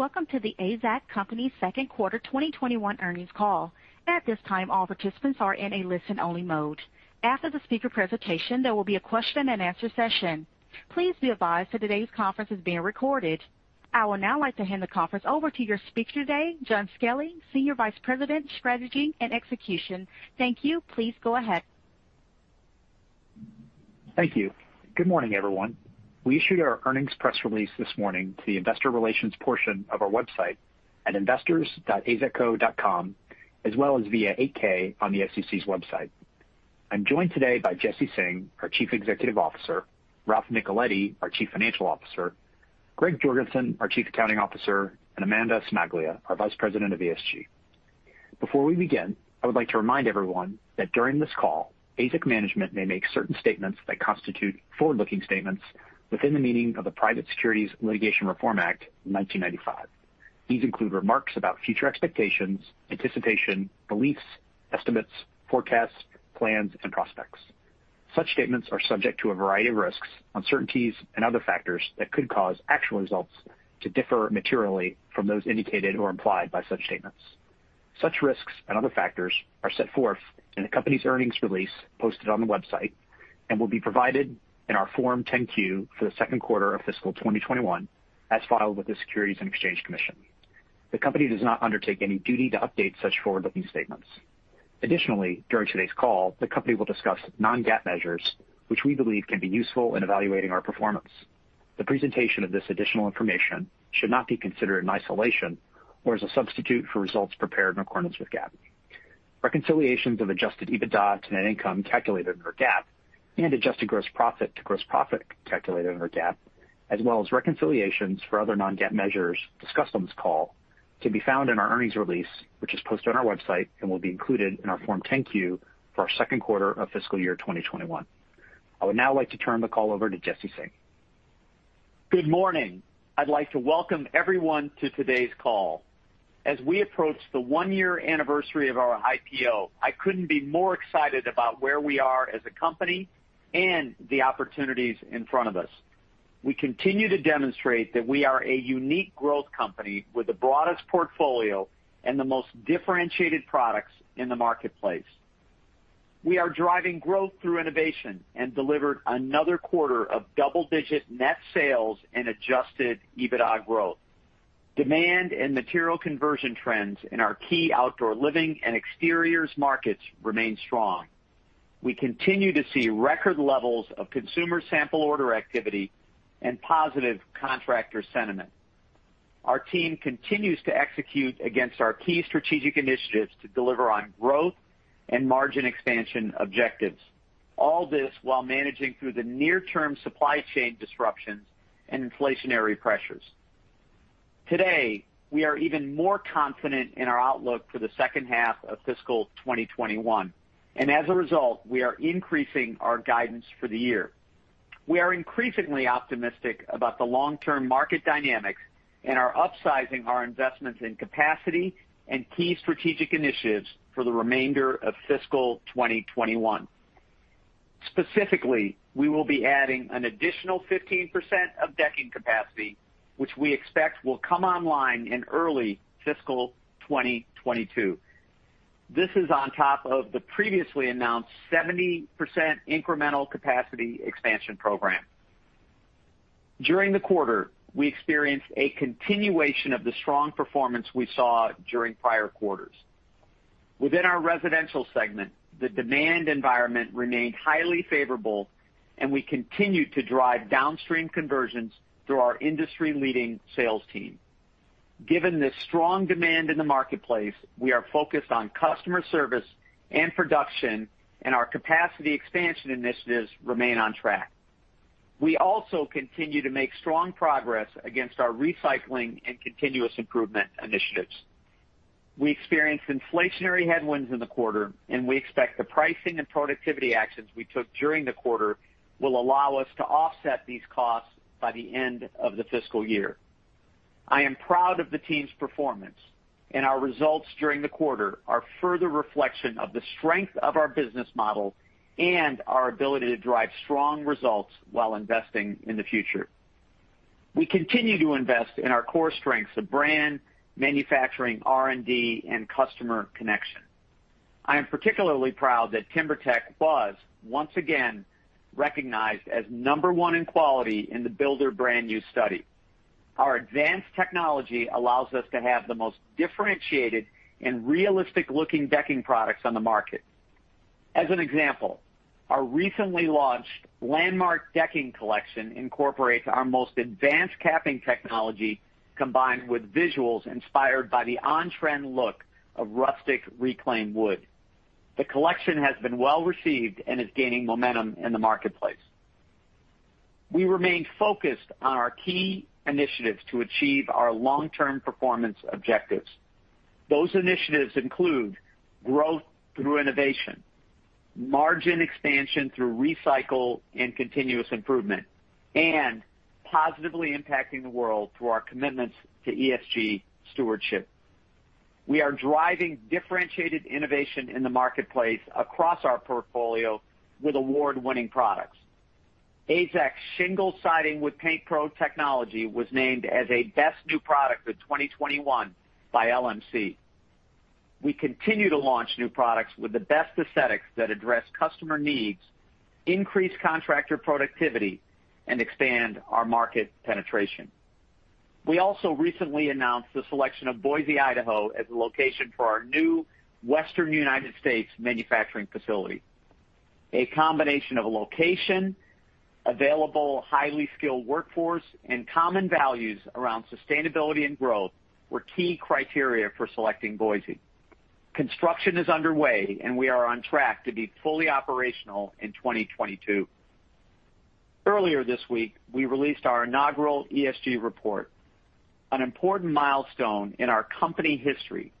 Welcome to The AZEK Company second quarter 2021 earnings call. At this time, all participants are in a listen-only mode. After the speaker presentation, there will be a question-and-answer session. Please be advised that today's conference is being recorded. I would now like to hand the conference over to your speaker today, Jon Skelly, Senior Vice President, Strategy and Execution. Thank you. Please go ahead. Thank you. Good morning, everyone. We issued our earnings press release this morning to the investor relations portion of our website at investors.azekco.com, as well as via 8-K on the SEC's website. I'm joined today by Jesse Singh, our Chief Executive Officer, Ralph Nicoletti, our Chief Financial Officer, Greg Jorgensen, our Chief Accounting Officer, and Amanda Cimaglia, our Vice President of ESG. Before we begin, I would like to remind everyone that during this call, AZEK management may make certain statements that constitute forward-looking statements within the meaning of the Private Securities Litigation Reform Act of 1995. These include remarks about future expectations, anticipation, beliefs, estimates, forecasts, plans, and prospects. Such statements are subject to a variety of risks, uncertainties, and other factors that could cause actual results to differ materially from those indicated or implied by such statements. Such risks and other factors are set forth in the company's earnings release posted on the website and will be provided in our Form 10-Q for the second quarter of fiscal 2021 as filed with the Securities and Exchange Commission. The company does not undertake any duty to update such forward-looking statements. Additionally, during today's call, the company will discuss non-GAAP measures which we believe can be useful in evaluating our performance. The presentation of this additional information should not be considered in isolation or as a substitute for results prepared in accordance with GAAP. Reconciliations of adjusted EBITDA to net income calculated per GAAP and adjusted gross profit to gross profit calculated per GAAP, as well as reconciliations for other non-GAAP measures discussed on this call, can be found in our earnings release, which is posted on our website and will be included in our Form 10-Q for our second quarter of fiscal year 2021. I would now like to turn the call over to Jesse Singh. Good morning. I'd like to welcome everyone to today's call. As we approach the one-year anniversary of our IPO, I couldn't be more excited about where we are as a company and the opportunities in front of us. We continue to demonstrate that we are a unique growth company with the broadest portfolio and the most differentiated products in the marketplace. We are driving growth through innovation and delivered another quarter of double-digit net sales and adjusted EBITDA growth. Demand and material conversion trends in our key outdoor living and exteriors markets remain strong. We continue to see record levels of consumer sample order activity and positive contractor sentiment. Our team continues to execute against our key strategic initiatives to deliver on growth and margin expansion objectives. All this while managing through the near-term supply chain disruptions and inflationary pressures. Today, we are even more confident in our outlook for the second half of fiscal 2021, and as a result, we are increasing our guidance for the year. We are increasingly optimistic about the long-term market dynamics and are upsizing our investments in capacity and key strategic initiatives for the remainder of fiscal 2021. Specifically, we will be adding an additional 15% of decking capacity, which we expect will come online in early fiscal 2022. This is on top of the previously announced 70% incremental capacity expansion program. During the quarter, we experienced a continuation of the strong performance we saw during prior quarters. Within our residential segment, the demand environment remained highly favorable, and we continued to drive downstream conversions through our industry-leading sales team. Given the strong demand in the marketplace, we are focused on customer service and production, and our capacity expansion initiatives remain on track. We also continue to make strong progress against our recycling and continuous improvement initiatives. We experienced inflationary headwinds in the quarter, and we expect the pricing and productivity actions we took during the quarter will allow us to offset these costs by the end of the fiscal year. I am proud of the team's performance, and our results during the quarter are further reflection of the strength of our business model and our ability to drive strong results while investing in the future. We continue to invest in our core strengths of brand, manufacturing, R&D, and customer connection. I am particularly proud that TimberTech was once again recognized as number one in quality in the BUILDER Brand Use Study. Our advanced technology allows us to have the most differentiated and realistic-looking decking products on the market. As an example, our recently launched Landmark Decking Collection incorporates our most advanced capping technology, combined with visuals inspired by the on-trend look of rustic reclaimed wood. The collection has been well received and is gaining momentum in the marketplace. We remain focused on our key initiatives to achieve our long-term performance objectives. Those initiatives include growth through innovation, margin expansion through recycle and continuous improvement, and positively impacting the world through our commitments to ESG stewardship. We are driving differentiated innovation in the marketplace across our portfolio with award-winning products. AZEK Shingle Siding with PaintPro Technology was named as a Best New Product of 2021 by LMC. We continue to launch new products with the best aesthetics that address customer needs, increase contractor productivity, and expand our market penetration. We also recently announced the selection of Boise, Idaho, as the location for our new Western United States manufacturing facility. A combination of a location, available highly skilled workforce, and common values around sustainability and growth were key criteria for selecting Boise. Construction is underway. We are on track to be fully operational in 2022. Earlier this week, we released our inaugural ESG report, an important milestone in our company history.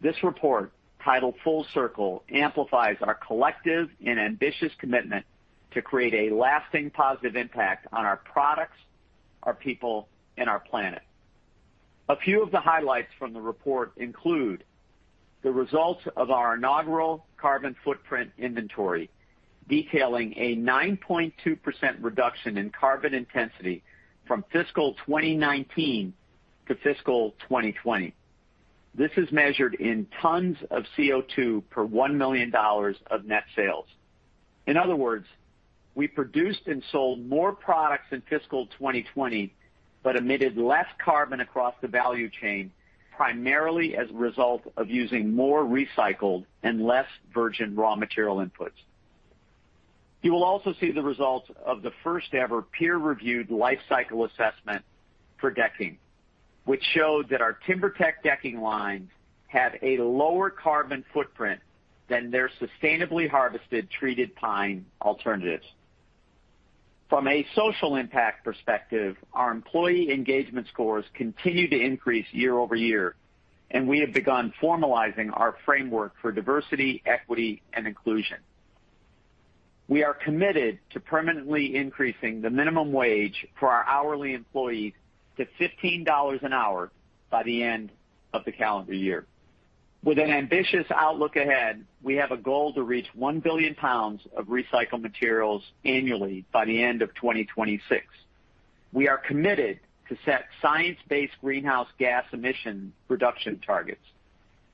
This report, titled "FULL-CIRCLE," amplifies our collective and ambitious commitment to create a lasting positive impact on our products, our people, and our planet. A few of the highlights from the report include the results of our inaugural carbon footprint inventory, detailing a 9.2% reduction in carbon intensity from fiscal 2019 to fiscal 2020. This is measured in tons of CO2 per $1 million of net sales. In other words, we produced and sold more products in fiscal 2020 but emitted less carbon across the value chain, primarily as a result of using more recycled and less virgin raw material inputs. You will also see the results of the first-ever peer-reviewed life cycle assessment for decking, which showed that our TimberTech decking lines have a lower carbon footprint than their sustainably harvested treated pine alternatives. From a social impact perspective, our employee engagement scores continue to increase year-over-year. We have begun formalizing our framework for diversity, equity, and inclusion. We are committed to permanently increasing the minimum wage for our hourly employees to $15 an hour by the end of the calendar year. With an ambitious outlook ahead, we have a goal to reach 1,000,000,000 lbs of recycled materials annually by the end of 2026. We are committed to set science-based greenhouse gas emission reduction targets.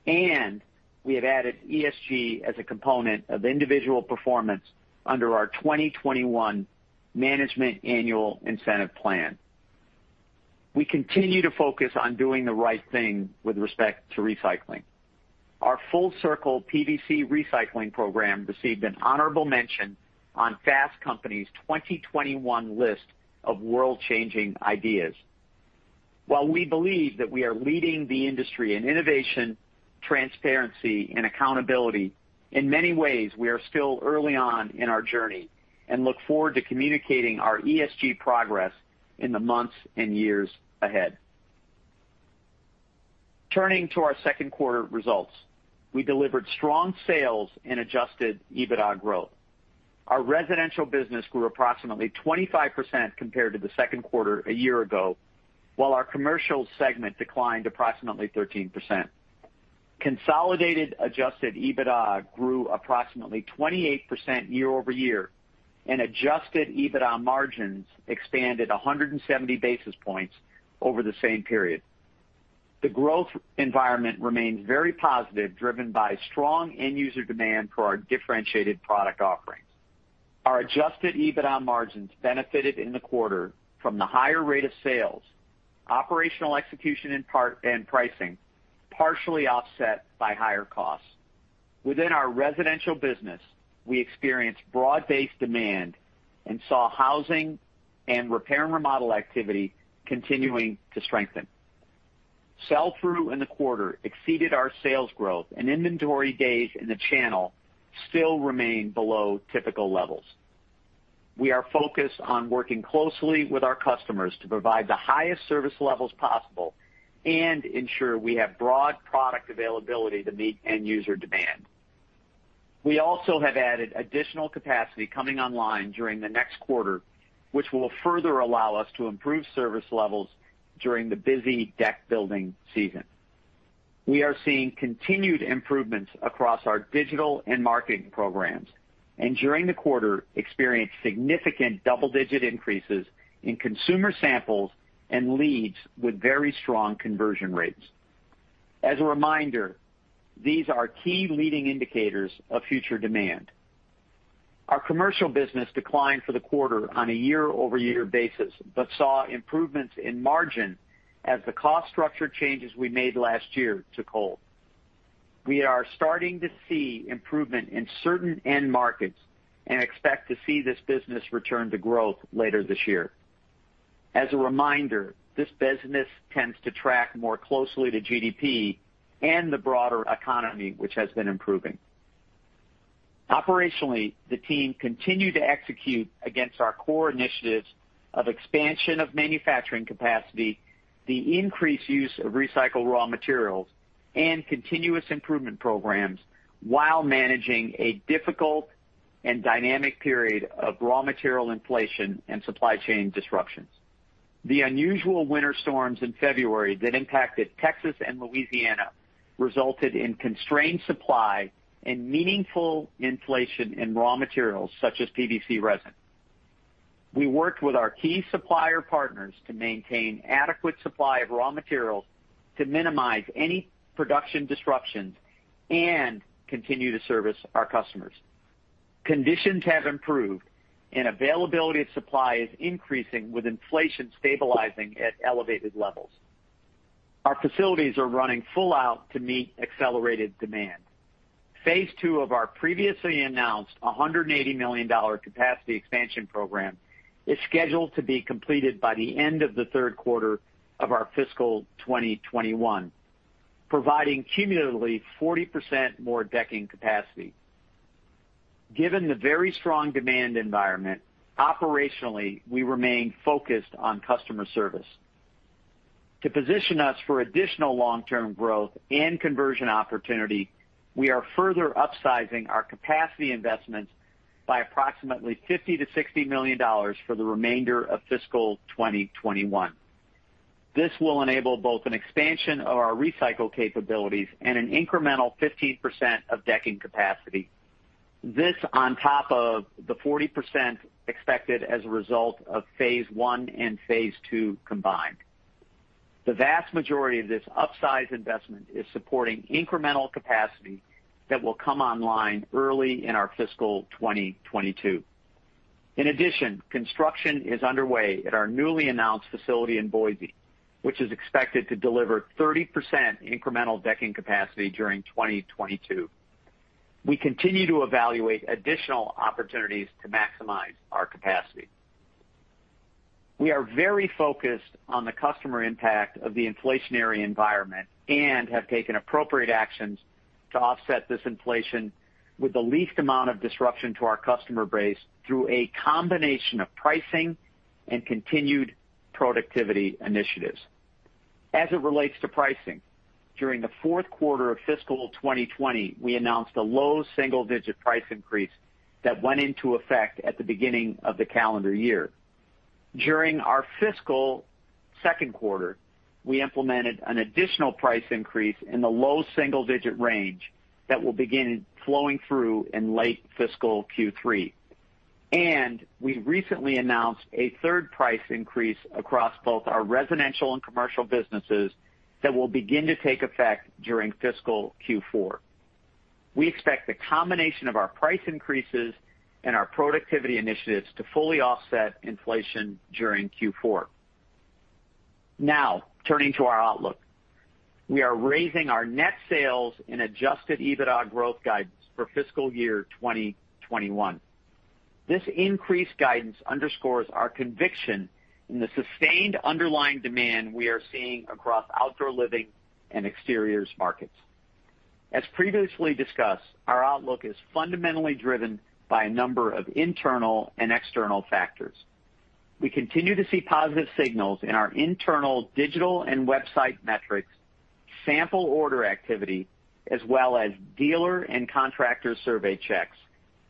We have added ESG as a component of individual performance under our 2021 Management Annual Incentive Plan. We continue to focus on doing the right thing with respect to recycling. Our AZEK FULL-CIRCLE PVC Recycling program received an honorable mention on Fast Company's 2021 list of world-changing ideas. While we believe that we are leading the industry in innovation, transparency, and accountability, in many ways, we are still early on in our journey and look forward to communicating our ESG progress in the months and years ahead. Turning to our second quarter results, we delivered strong sales and adjusted EBITDA growth. Our residential business grew approximately 25% compared to the second quarter a year ago, while our commercial segment declined approximately 13%. Consolidated adjusted EBITDA grew approximately 28% year-over-year, and adjusted EBITDA margins expanded 170 basis points over the same period. The growth environment remains very positive, driven by strong end-user demand for our differentiated product offerings. Our adjusted EBITDA margins benefited in the quarter from the higher rate of sales, operational execution and pricing, partially offset by higher costs. Within our residential business, we experienced broad-based demand and saw housing and repair and remodel activity continuing to strengthen. Sell-through in the quarter exceeded our sales growth, and inventory days in the channel still remain below typical levels. We are focused on working closely with our customers to provide the highest service levels possible and ensure we have broad product availability to meet end-user demand. We also have added additional capacity coming online during the next quarter, which will further allow us to improve service levels during the busy deck-building season. We are seeing continued improvements across our digital and marketing programs and during the quarter experienced significant double-digit increases in consumer samples and leads with very strong conversion rates. As a reminder, these are key leading indicators of future demand. Our commercial business declined for the quarter on a year-over-year basis but saw improvements in margin as the cost structure changes we made last year took hold. We are starting to see improvement in certain end markets and expect to see this business return to growth later this year. As a reminder, this business tends to track more closely to GDP and the broader economy, which has been improving. Operationally, the team continued to execute against our core initiatives of expansion of manufacturing capacity, the increased use of recycled raw materials, and continuous improvement programs while managing a difficult and dynamic period of raw material inflation and supply chain disruptions. The unusual winter storms in February that impacted Texas and Louisiana resulted in constrained supply and meaningful inflation in raw materials such as PVC resin. We worked with our key supplier partners to maintain adequate supply of raw materials to minimize any production disruptions and continue to service our customers. Conditions have improved, and availability of supply is increasing with inflation stabilizing at elevated levels. Our facilities are running full out to meet accelerated demand. Phase II of our previously announced $180 million capacity expansion program is scheduled to be completed by the end of the third quarter of our fiscal 2021, providing cumulatively 40% more decking capacity. Given the very strong demand environment, operationally, we remain focused on customer service. To position us for additional long-term growth and conversion opportunity, we are further upsizing our capacity investments by approximately $50 million-$60 million for the remainder of fiscal 2021. This will enable both an expansion of our recycle capabilities and an incremental 15% of decking capacity. This on top of the 40% expected as a result of phase I and phase II combined. The vast majority of this upsize investment is supporting incremental capacity that will come online early in our fiscal 2022. In addition, construction is underway at our newly announced facility in Boise, which is expected to deliver 30% incremental decking capacity during 2022. We continue to evaluate additional opportunities to maximize our capacity. We are very focused on the customer impact of the inflationary environment and have taken appropriate actions to offset this inflation with the least amount of disruption to our customer base through a combination of pricing and continued productivity initiatives. As it relates to pricing, during the fourth quarter of fiscal 2020, we announced a low single-digit price increase that went into effect at the beginning of the calendar year. During our fiscal second quarter, we implemented an additional price increase in the low double-digit range that will begin flowing through in late fiscal Q3. We recently announced a third price increase across both our residential and commercial businesses that will begin to take effect during fiscal Q4. We expect the combination of our price increases and our productivity initiatives to fully offset inflation during Q4. Now, turning to our outlook. We are raising our net sales and adjusted EBITDA growth guidance for fiscal year 2021. This increased guidance underscores our conviction in the sustained underlying demand we are seeing across outdoor living and exteriors markets. As previously discussed, our outlook is fundamentally driven by a number of internal and external factors. We continue to see positive signals in our internal digital and website metrics, sample order activity, as well as dealer and contractor survey checks,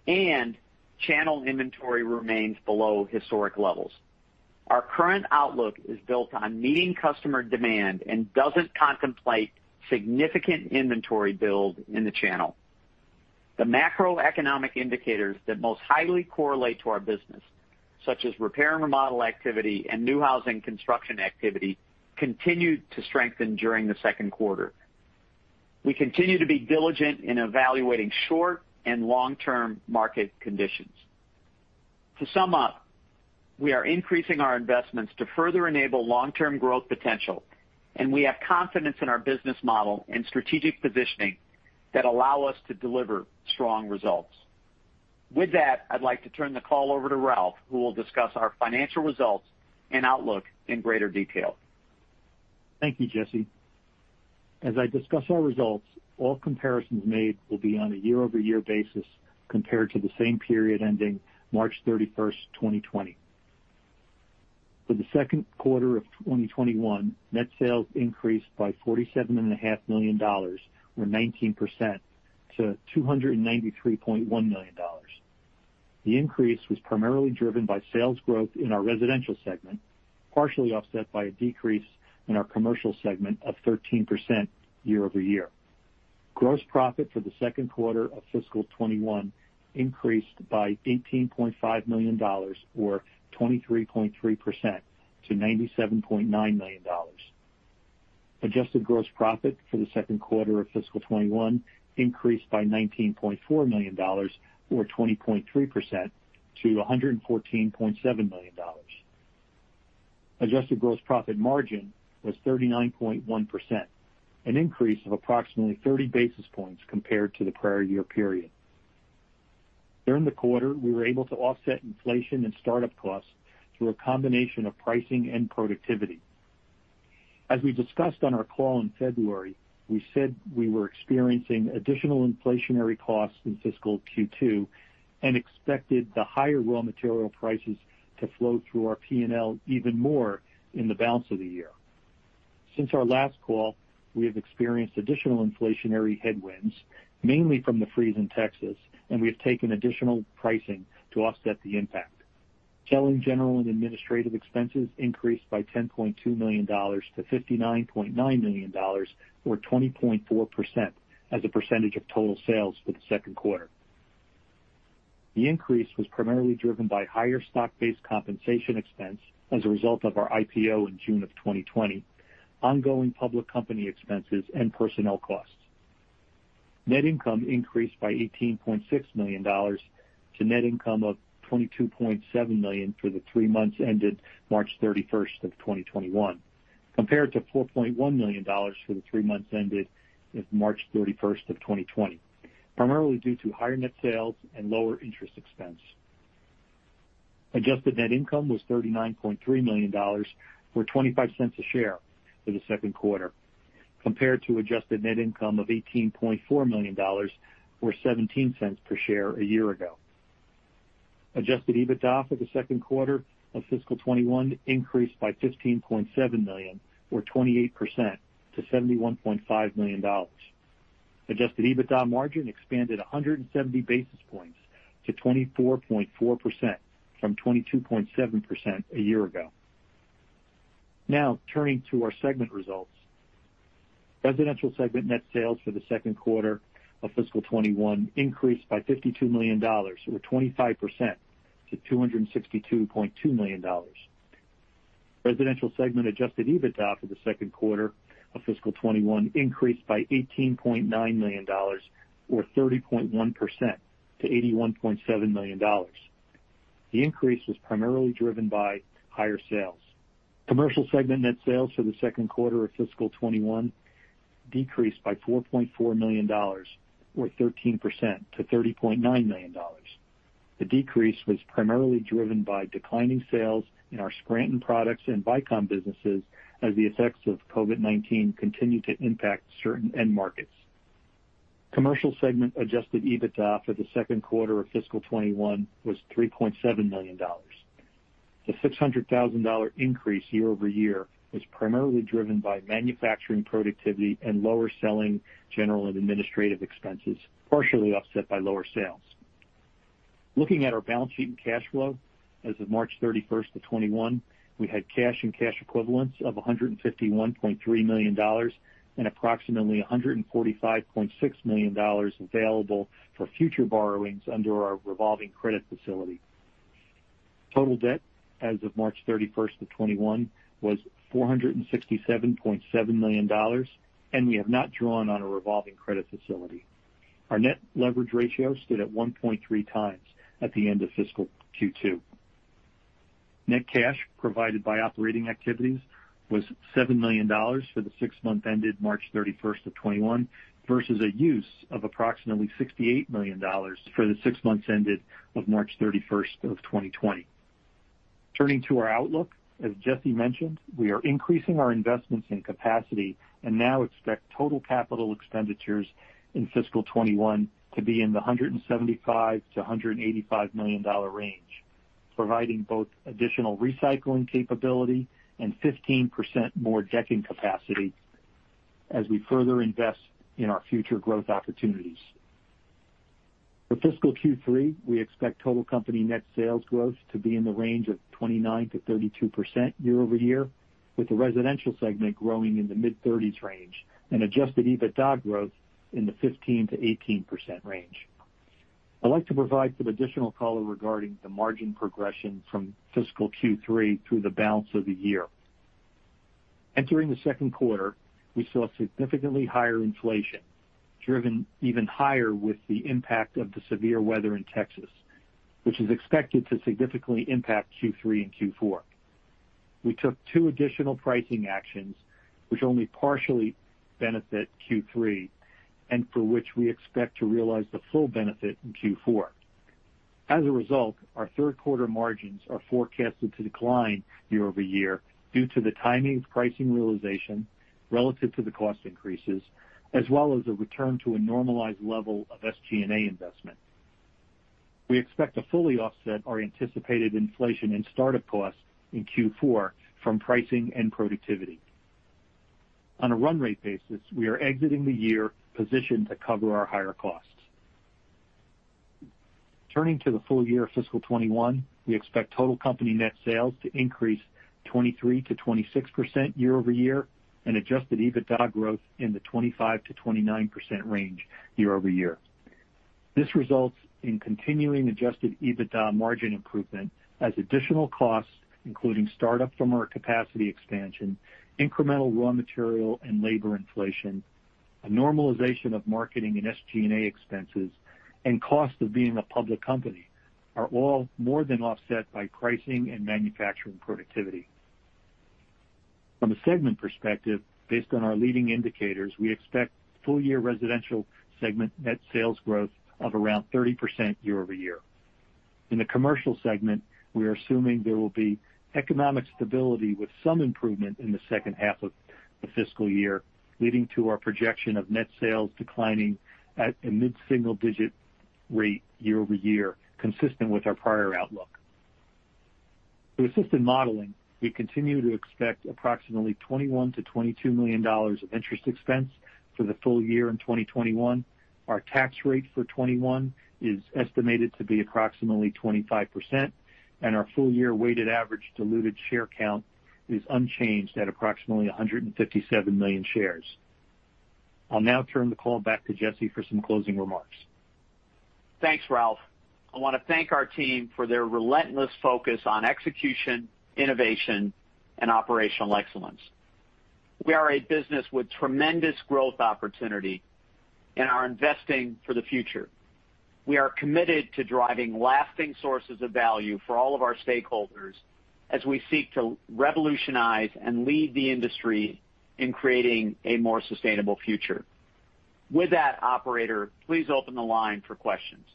and channel inventory remains below historic levels. Our current outlook is built on meeting customer demand and doesn't contemplate significant inventory build in the channel. The macroeconomic indicators that most highly correlate to our business, such as repair and remodel activity and new housing construction activity, continued to strengthen during the second quarter. We continue to be diligent in evaluating short- and long-term market conditions. To sum up, we are increasing our investments to further enable long-term growth potential, and we have confidence in our business model and strategic positioning that allow us to deliver strong results. With that, I'd like to turn the call over to Ralph, who will discuss our financial results and outlook in greater detail. Thank you, Jesse. As I discuss our results, all comparisons made will be on a year-over-year basis compared to the same period ending March 31st, 2020. For the second quarter of 2021, net sales increased by $47.5 million, or 19%, to $293.1 million. The increase was primarily driven by sales growth in our residential segment, partially offset by a decrease in our commercial segment of 13% year-over-year. Gross profit for the second quarter of fiscal 2021 increased by $18.5 million, or 23.3%, to $97.9 million. Adjusted gross profit for the second quarter of fiscal 2021 increased by $19.4 million, or 20.3%, to $114.7 million. Adjusted gross profit margin was 39.1%, an increase of approximately 30 basis points compared to the prior year period. During the quarter, we were able to offset inflation and startup costs through a combination of pricing and productivity. As we discussed on our call in February, we said we were experiencing additional inflationary costs in fiscal Q2 and expected the higher raw material prices to flow through our P&L even more in the balance of the year. Since our last call, we have experienced additional inflationary headwinds, mainly from the freeze in Texas, and we have taken additional pricing to offset the impact. Selling, general, and administrative expenses increased by $10.2 million to $59.9 million or 20.4% as a percentage of total sales for the second quarter. The increase was primarily driven by higher stock-based compensation expense as a result of our IPO in June of 2020, ongoing public company expenses, and personnel costs. Net income increased by $18.6 million to net income of $22.7 million for the three months ended March 31st of 2021 compared to $4.1 million for the three months ended March 31st of 2020, primarily due to higher net sales and lower interest expense. Adjusted net income was $39.3 million or $0.25 a share for the second quarter compared to adjusted net income of $18.4 million or $0.17 per share a year ago. Adjusted EBITDA for the second quarter of fiscal 2021 increased by $15.7 million or 28% to $71.5 million. Adjusted EBITDA margin expanded 170 basis points to 24.4% from 22.7% a year ago. Turning to our segment results. Residential segment net sales for the second quarter of fiscal 2021 increased by $52 million or 25% to $262.2 million. Residential segment adjusted EBITDA for the second quarter of fiscal 2021 increased by $18.9 million or 30.1% to $81.7 million. The increase was primarily driven by higher sales. Commercial segment net sales for the second quarter of fiscal 2021 decreased by $4.4 million or 13% to $30.9 million. The decrease was primarily driven by declining sales in our Scranton Products and Vycom businesses as the effects of COVID-19 continue to impact certain end markets. Commercial segment adjusted EBITDA for the second quarter of fiscal 2021 was $3.7 million. The $600,000 increase year-over-year was primarily driven by manufacturing productivity and lower selling, general, and administrative expenses, partially offset by lower sales. Looking at our balance sheet and cash flow as of March 31st of 2021, we had cash and cash equivalents of $151.3 million and approximately $145.6 million available for future borrowings under our revolving credit facility. Total debt as of March 31st of 2021 was $467.7 million, and we have not drawn on a revolving credit facility. Our net leverage ratio stood at 1.3x at the end of fiscal Q2. Net cash provided by operating activities was $7 million for the six month ended March 31st of 2021 versus a use of approximately $68 million for the six months ended of March 31st of 2020. Turning to our outlook, as Jesse mentioned, we are increasing our investments in capacity and now expect total CapEx in fiscal 2021 to be in the $175 million-$185 million range, providing both additional recycling capability and 15% more decking capacity as we further invest in our future growth opportunities. For fiscal Q3, we expect total company net sales growth to be in the range of 29%-32% year-over-year with the residential segment growing in the mid-30s range and adjusted EBITDA growth in the 15%-18% range. I'd like to provide some additional color regarding the margin progression from fiscal Q3 through the balance of the year. Entering the second quarter, we saw significantly higher inflation driven even higher with the impact of the severe weather in Texas, which is expected to significantly impact Q3 and Q4. We took two additional pricing actions which only partially benefit Q3 and for which we expect to realize the full benefit in Q4. As a result, our third quarter margins are forecasted to decline year-over-year due to the timing of pricing realization relative to the cost increases as well as a return to a normalized level of SG&A investment. We expect to fully offset our anticipated inflation and startup costs in Q4 from pricing and productivity. On a run rate basis, we are exiting the year positioned to cover our higher costs. Turning to the full year fiscal 2021, we expect total company net sales to increase 23%-26% year-over-year and adjusted EBITDA growth in the 25%-29% range year-over-year. This results in continuing adjusted EBITDA margin improvement as additional costs, including startup from our capacity expansion, incremental raw material and labor inflation, a normalization of marketing and SG&A expenses, and cost of being a public company are all more than offset by pricing and manufacturing productivity. From a segment perspective, based on our leading indicators, we expect full year residential segment net sales growth of around 30% year-over-year. In the commercial segment, we are assuming there will be economic stability with some improvement in the second half of the fiscal year, leading to our projection of net sales declining at a mid-single-digit rate year-over-year, consistent with our prior outlook. To assist in modeling, we continue to expect approximately $21 million-$22 million of interest expense for the full year in 2021. Our tax rate for 2021 is estimated to be approximately 25%, and our full-year weighted average diluted share count is unchanged at approximately 157 million shares. I'll now turn the call back to Jesse for some closing remarks. Thanks, Ralph. I want to thank our team for their relentless focus on execution, innovation, and operational excellence. We are a business with tremendous growth opportunity and are investing for the future. We are committed to driving lasting sources of value for all of our stakeholders as we seek to revolutionize and lead the industry in creating a more sustainable future. With that, operator, please open the line for questions.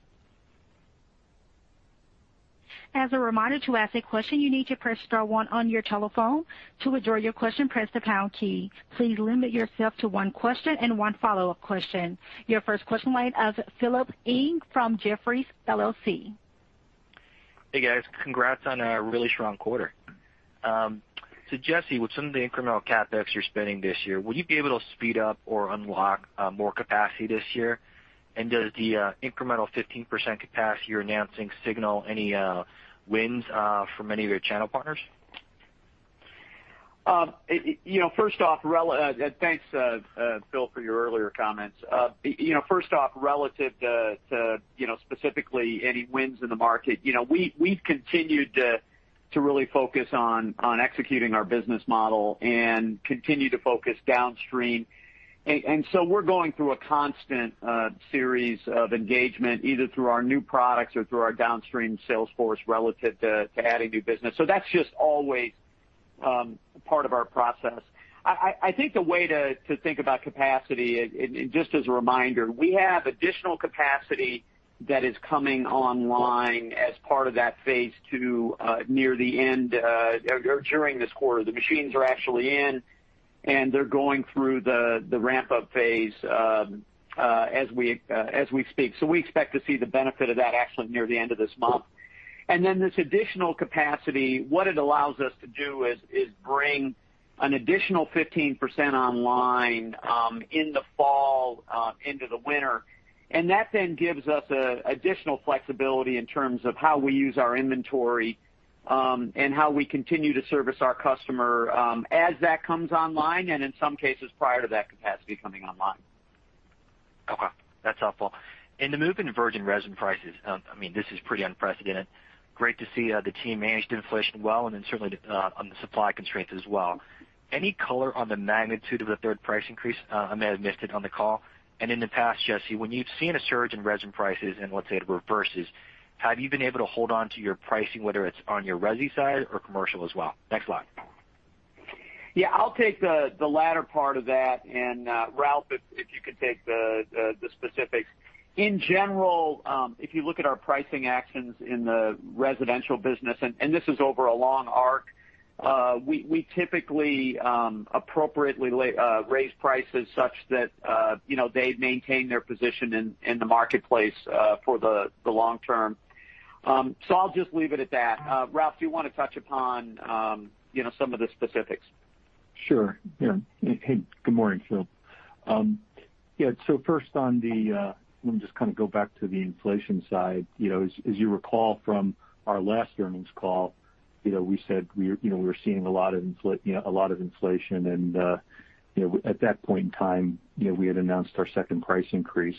As a reminder, to ask a question, you need to press star one on your telephone. To withdraw your question, press the pound key. Please limit yourself to one question and one follow-up question. Your first question line is Phil Ng from Jefferies LLC. Hey, guys. Congrats on a really strong quarter. Jesse, with some of the incremental CapEx you're spending this year, will you be able to speed up or unlock more capacity this year? Does the incremental 15% capacity you're announcing signal any wins from any of your channel partners? Thanks, Phil, for your earlier comments. First off, relative to specifically any wins in the market, we've continued to really focus on executing our business model and continue to focus downstream. We're going through a constant series of engagement, either through our new products or through our downstream sales force relative to adding new business. That's just always part of our process. I think the way to think about capacity, and just as a reminder, we have additional capacity that is coming online as part of that phase II during this quarter. The machines are actually in, and they're going through the ramp-up phase as we speak. We expect to see the benefit of that actually near the end of this month. This additional capacity, what it allows us to do is bring an additional 15% online in the fall into the winter, and that then gives us additional flexibility in terms of how we use our inventory, and how we continue to service our customer as that comes online, and in some cases, prior to that capacity coming online. Okay. That's helpful. In the move in virgin resin prices, this is pretty unprecedented. Great to see the team managed inflation well, and then certainly on the supply constraints as well. Any color on the magnitude of the third price increase? I may have missed it on the call. In the past, Jesse, when you've seen a surge in resin prices and let's say it reverses, have you been able to hold onto your pricing, whether it's on your resi side or commercial as well? Thanks a lot. Yeah, I'll take the latter part of that, and Ralph, if you could take the specifics. In general, if you look at our pricing actions in the residential business, and this is over a long arc, we typically appropriately raise prices such that they maintain their position in the marketplace for the long term. I'll just leave it at that. Ralph, do you want to touch upon some of the specifics? Sure. Yeah. Hey, good morning, Phil. Yeah. First let me just kind of go back to the inflation side. As you recall from our last earnings call, we said we were seeing a lot of inflation and at that point in time we had announced our second price increase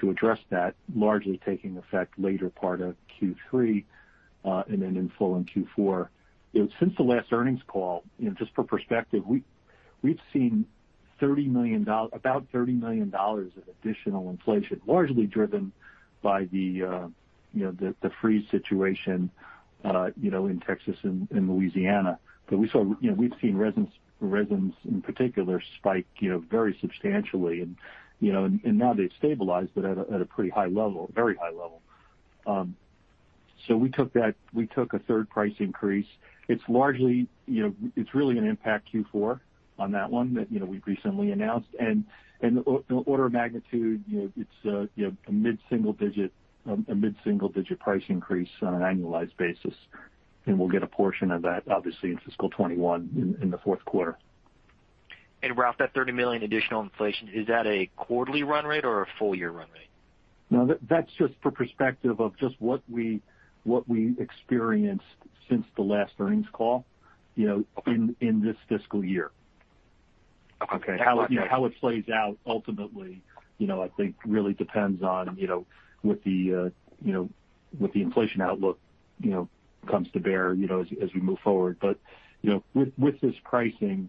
to address that, largely taking effect later part of Q3, and then in full in Q4. Since the last earnings call, just for perspective, we've seen about $30 million of additional inflation, largely driven by the freeze situation in Texas and Louisiana. We've seen resins in particular spike very substantially, and now they've stabilized, but at a pretty high level. We took a third price increase. It's really going to impact Q4 on that one that we've recently announced. The order of magnitude, it's a mid-single-digit price increase on an annualized basis, and we'll get a portion of that, obviously, in fiscal 2021, in the fourth quarter. Ralph, that $30 million additional inflation, is that a quarterly run rate or a full-year run rate? No, that's just for perspective of just what we experienced since the last earnings call in this fiscal year. Okay. How it plays out ultimately, I think really depends on what the inflation outlook comes to bear as we move forward. With this pricing,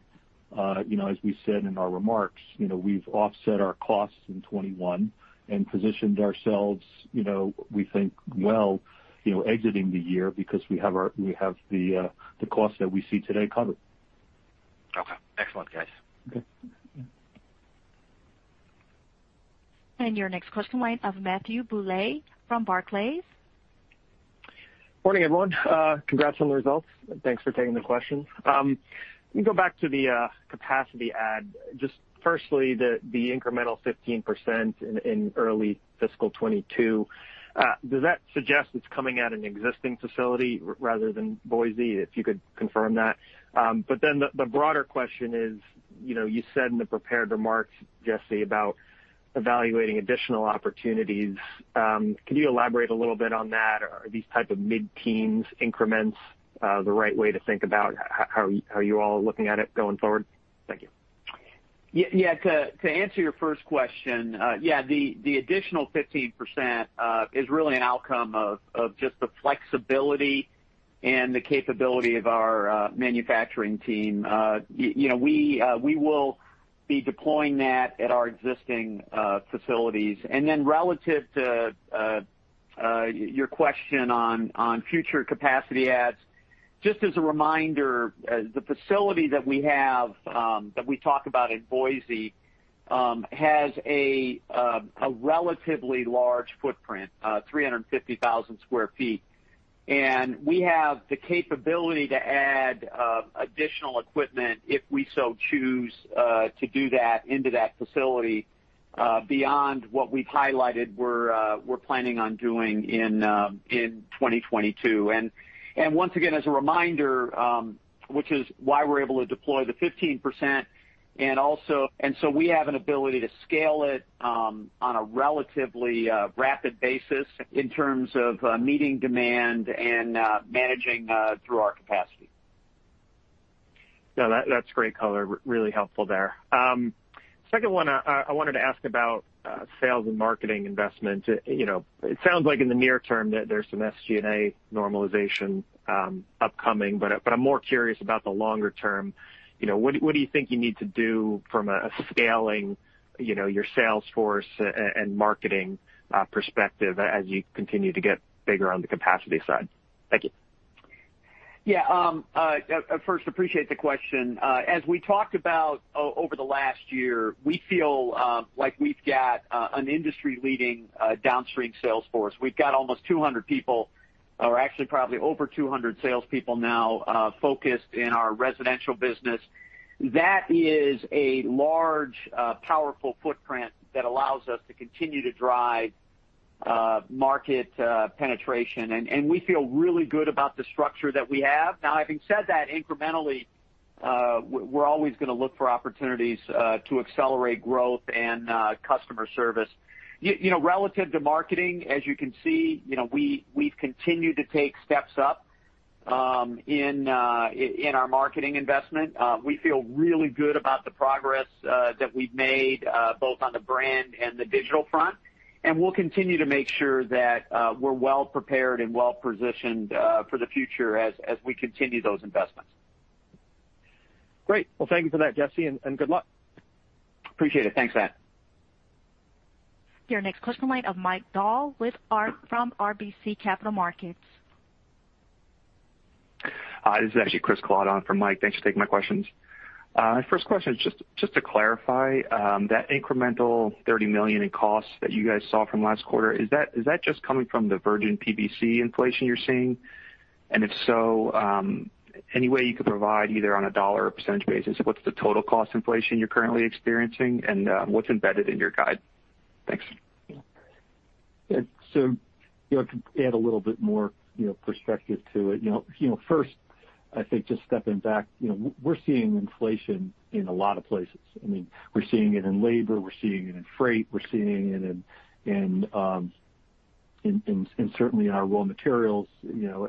as we said in our remarks, we've offset our costs in 2021 and positioned ourselves, we think well exiting the year because we have the cost that we see today covered. Okay. Excellent, guys. Okay. Your next question, line of Matthew Bouley from Barclays. Morning, everyone. Congrats on the results. Thanks for taking the question. Let me go back to the capacity add. Just firstly, the incremental 15% in early fiscal 2022, does that suggest it's coming at an existing facility rather than Boise? If you could confirm that. The broader question is, you said in the prepared remarks, Jesse, about evaluating additional opportunities. Can you elaborate a little bit on that? Are these type of mid-teens increments the right way to think about how you all are looking at it going forward? Thank you. To answer your first question, yeah, the additional 15% is really an outcome of just the flexibility and the capability of our manufacturing team. We will be deploying that at our existing facilities. Relative to your question on future capacity adds, just as a reminder, the facility that we have, that we talk about in Boise, has a relatively large footprint, 350,000 sq ft. We have the capability to add additional equipment if we so choose to do that into that facility beyond what we've highlighted we're planning on doing in 2022. Once again, as a reminder, which is why we're able to deploy the 15%, we have an ability to scale it on a relatively rapid basis in terms of meeting demand and managing through our capacity. That's great color. Really helpful there. Second one, I wanted to ask about sales and marketing investment. It sounds like in the near term that there's some SG&A normalization upcoming, I'm more curious about the longer term. What do you think you need to do from a scaling your sales force and marketing perspective as you continue to get bigger on the capacity side? Thank you. Yeah. First, appreciate the question. As we talked about over the last year, we feel like we've got an industry-leading downstream sales force. We've got almost 200 people, or actually probably over 200 salespeople now focused in our residential business. That is a large, powerful footprint that allows us to continue to drive market penetration. We feel really good about the structure that we have. Now, having said that, incrementally, we're always going to look for opportunities to accelerate growth and customer service. Relative to marketing, as you can see, we've continued to take steps up in our marketing investment. We feel really good about the progress that we've made both on the brand and the digital front, and we'll continue to make sure that we're well-prepared and well-positioned for the future as we continue those investments. Great. Well, thank you for that, Jesse, and good luck. Appreciate it. Thanks, Matt. Your next question, line of Mike Dahl from RBC Capital Markets. This is actually Chris Clawson for Mike. Thanks for taking my questions. My first question is just to clarify, that incremental $30 million in costs that you guys saw from last quarter, is that just coming from the virgin PVC inflation you're seeing? If so, any way you could provide either on a dollar or percentage basis, what's the total cost inflation you're currently experiencing and what's embedded in your guide? Thanks. Yeah. To add a little bit more perspective to it. First, I think just stepping back, we're seeing inflation in a lot of places. We're seeing it in labor, we're seeing it in freight, we're seeing it in certainly in our raw materials,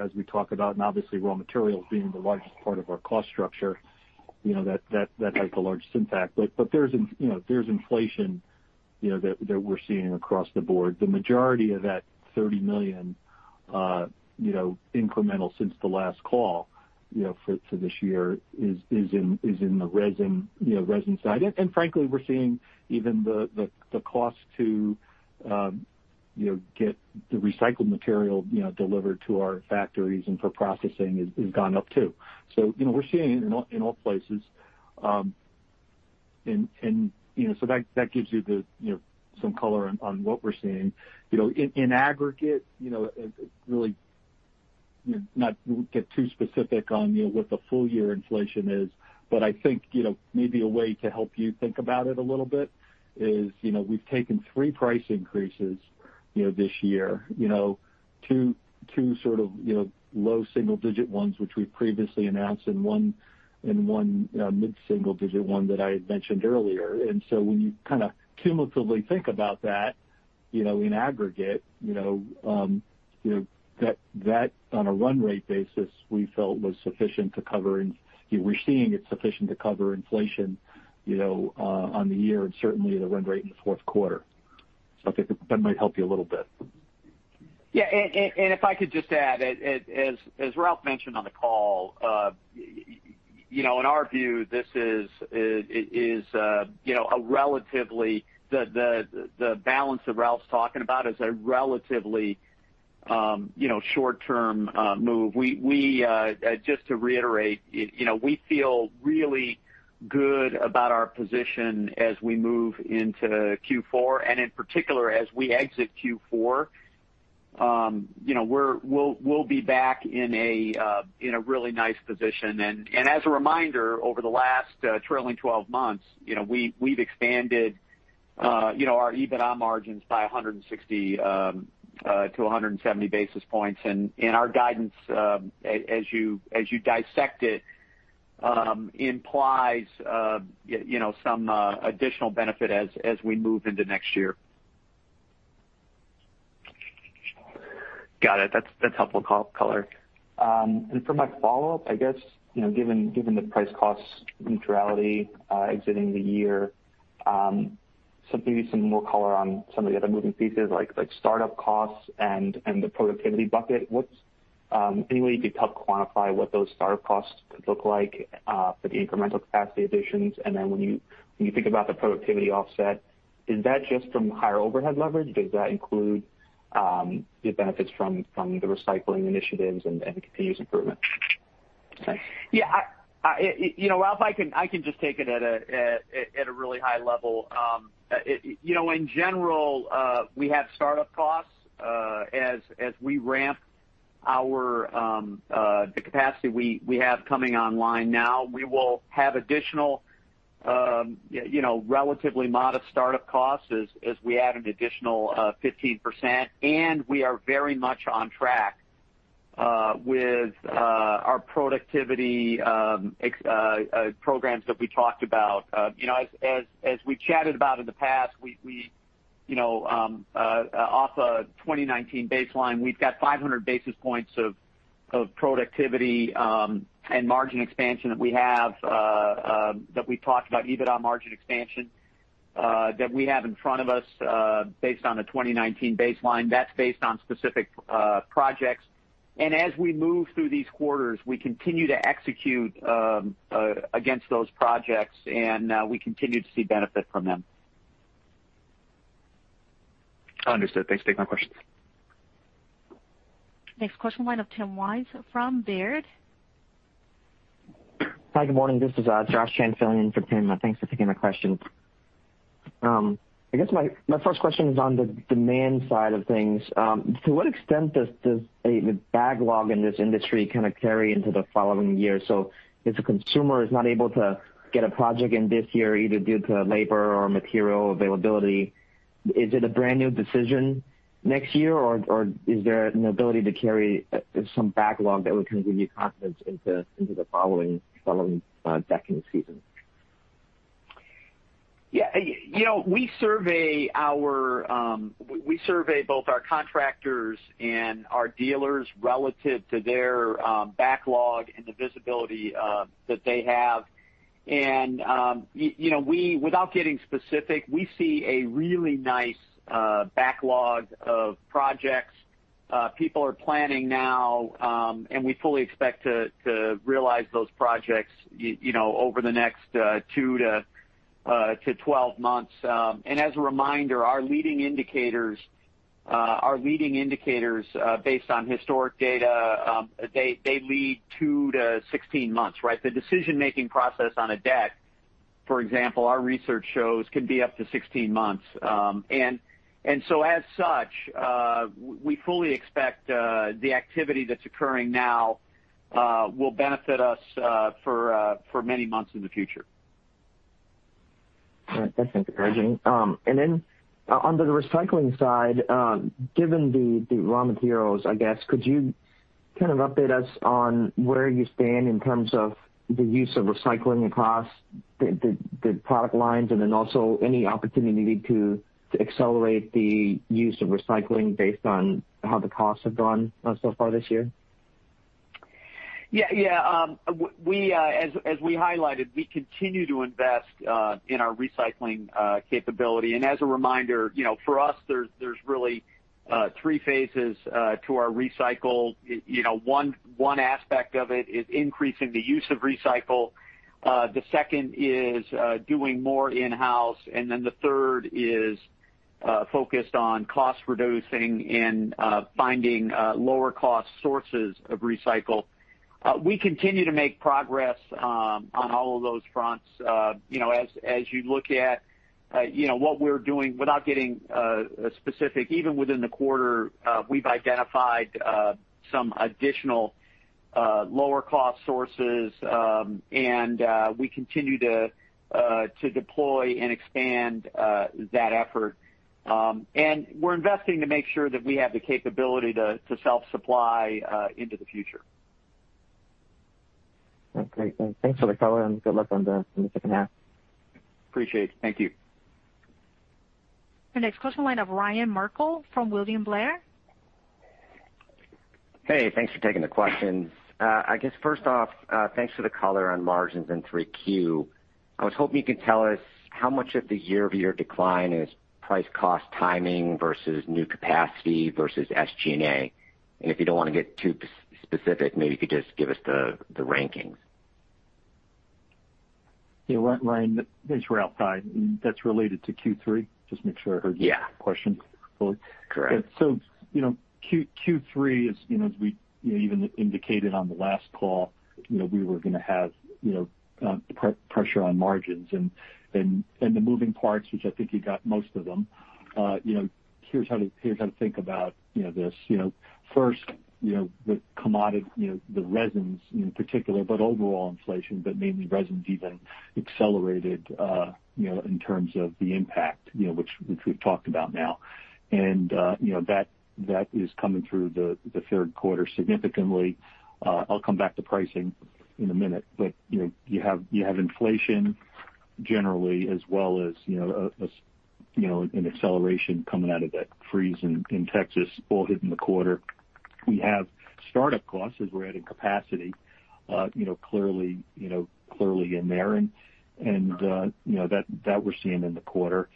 as we talk about, and obviously raw materials being the largest part of our cost structure. That has the largest impact. There's inflation that we're seeing across the board. The majority of that $30 million incremental since the last call for this year is in the resin side. Frankly, we're seeing even the cost to get the recycled material delivered to our factories and for processing has gone up, too. We're seeing it in all places. That gives you some color on what we're seeing. In aggregate, really not get too specific on what the full year inflation is, but I think maybe a way to help you think about it a little bit is we've taken three price increases this year. Two sort of low single-digit ones, which we previously announced, and one mid-single-digit one that I had mentioned earlier. When you kind of cumulatively think about that, in aggregate, that on a run rate basis we felt was sufficient to cover, and we're seeing it sufficient to cover inflation on the year and certainly the run rate in the fourth quarter. I think that might help you a little bit. Yeah. If I could just add, as Ralph mentioned on the call, in our view, the balance that Ralph's talking about is a relatively short-term move. Just to reiterate, we feel really good about our position as we move into Q4. In particular, as we exit Q4, we'll be back in a really nice position. As a reminder, over the last trailing 12 months, we've expanded our EBITDA margins by 160-170 basis points. Our guidance, as you dissect it, implies some additional benefit as we move into next year. Got it. That's helpful color. For my follow-up, I guess, given the price cost neutrality exiting the year, maybe some more color on some of the other moving pieces like startup costs and the productivity bucket. Any way you could help quantify what those startup costs could look like for the incremental capacity additions? When you think about the productivity offset, is that just from higher overhead leverage? Does that include the benefits from the recycling initiatives and the continuous improvement? Yeah. Ralph, I can just take it at a really high level. In general, we have startup costs as we ramp the capacity we have coming online now. We will have additional relatively modest startup costs as we add an additional 15%, and we are very much on track with our productivity programs that we talked about. As we chatted about in the past, off a 2019 baseline, we've got 500 basis points of productivity and margin expansion that we have that we've talked about, EBITDA margin expansion that we have in front of us based on a 2019 baseline. That's based on specific projects. As we move through these quarters, we continue to execute against those projects, and we continue to see benefit from them. Understood. Thanks for taking my questions. Next question, line of Tim Wise from Baird. Hi, good morning. This is Jas Chen filling in for Tim. Thanks for taking my questions. I guess my first question is on the demand side of things. To what extent does a backlog in this industry kind of carry into the following year? If a consumer is not able to get a project in this year either due to labor or material availability, is it a brand new decision next year, or is there an ability to carry some backlog that would kind of give you confidence into the following decking season? Yeah. We survey both our contractors and our dealers relative to their backlog and the visibility that they have. Without getting specific, we see a really nice backlog of projects. People are planning now, and we fully expect to realize those projects over the next 2-12 months. As a reminder, our leading indicators based on historic data, they lead 2-16 months, right. The decision-making process on a deck, for example, our research shows can be up to 16 months. As such, we fully expect the activity that's occurring now will benefit us for many months in the future. All right. That's encouraging. On the recycling side, given the raw materials, I guess, could you kind of update us on where you stand in terms of the use of recycling across the product lines, and then also any opportunity to accelerate the use of recycling based on how the costs have gone so far this year? Yeah. As we highlighted, we continue to invest in our recycling capability. As a reminder, for us, there's really three phases to our recycle. One aspect of it is increasing the use of recycle. The second is doing more in-house, the third is focused on cost reducing and finding lower cost sources of recycle. We continue to make progress on all of those fronts. As you look at what we're doing, without getting specific, even within the quarter, we've identified some additional lower cost sources, and we continue to deploy and expand that effort. We're investing to make sure that we have the capability to self-supply into the future. Okay. Thanks for the color, and good luck on the second half. Appreciate it. Thank you. Our next question line of Ryan Merkel from William Blair. Hey, thanks for taking the questions. I guess first off, thanks for the color on margins in 3Q. I was hoping you could tell us how much of the year-over-year decline is price cost timing versus new capacity versus SG&A. If you don't want to get too specific, maybe you could just give us the rankings. Yeah. Ryan, thanks. This is Ralph, hi. That's related to Q3? Just make sure I heard- Yeah. ...the question fully. Correct. Q3, as we even indicated on the last call, we were going to have pressure on margins. The moving parts, which I think you got most of them, here's how to think about this. First, the resins in particular, but overall inflation, but mainly resins even accelerated in terms of the impact, which we've talked about now. That is coming through the third quarter significantly. I'll come back to pricing in a minute, but you have inflation generally, as well as an acceleration coming out of that freeze in Texas all hit in the quarter. We have startup costs as we're adding capacity clearly in there, and that we're seeing in the quarter.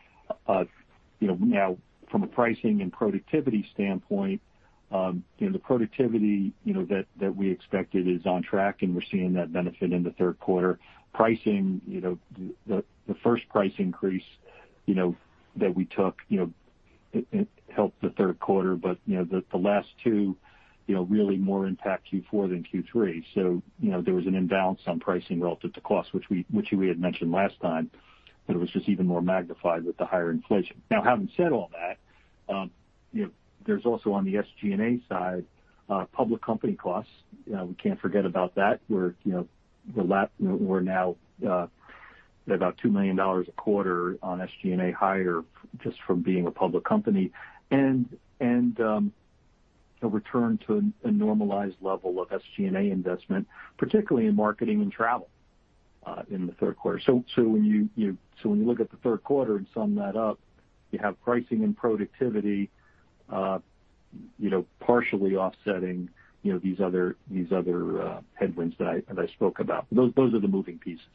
From a pricing and productivity standpoint, the productivity that we expected is on track, and we're seeing that benefit in the third quarter. Pricing, the first price increase that we took, it helped the third quarter, the last two really more impact Q4 than Q3. There was an imbalance on pricing relative to cost, which we had mentioned last time. It was just even more magnified with the higher inflation. Having said all that, there's also on the SG&A side, public company costs. We can't forget about that. We're now at about $2 million a quarter on SG&A higher just from being a public company. A return to a normalized level of SG&A investment, particularly in marketing and travel, in the third quarter. When you look at the third quarter and sum that up, you have pricing and productivity partially offsetting these other headwinds that I spoke about. Those are the moving pieces.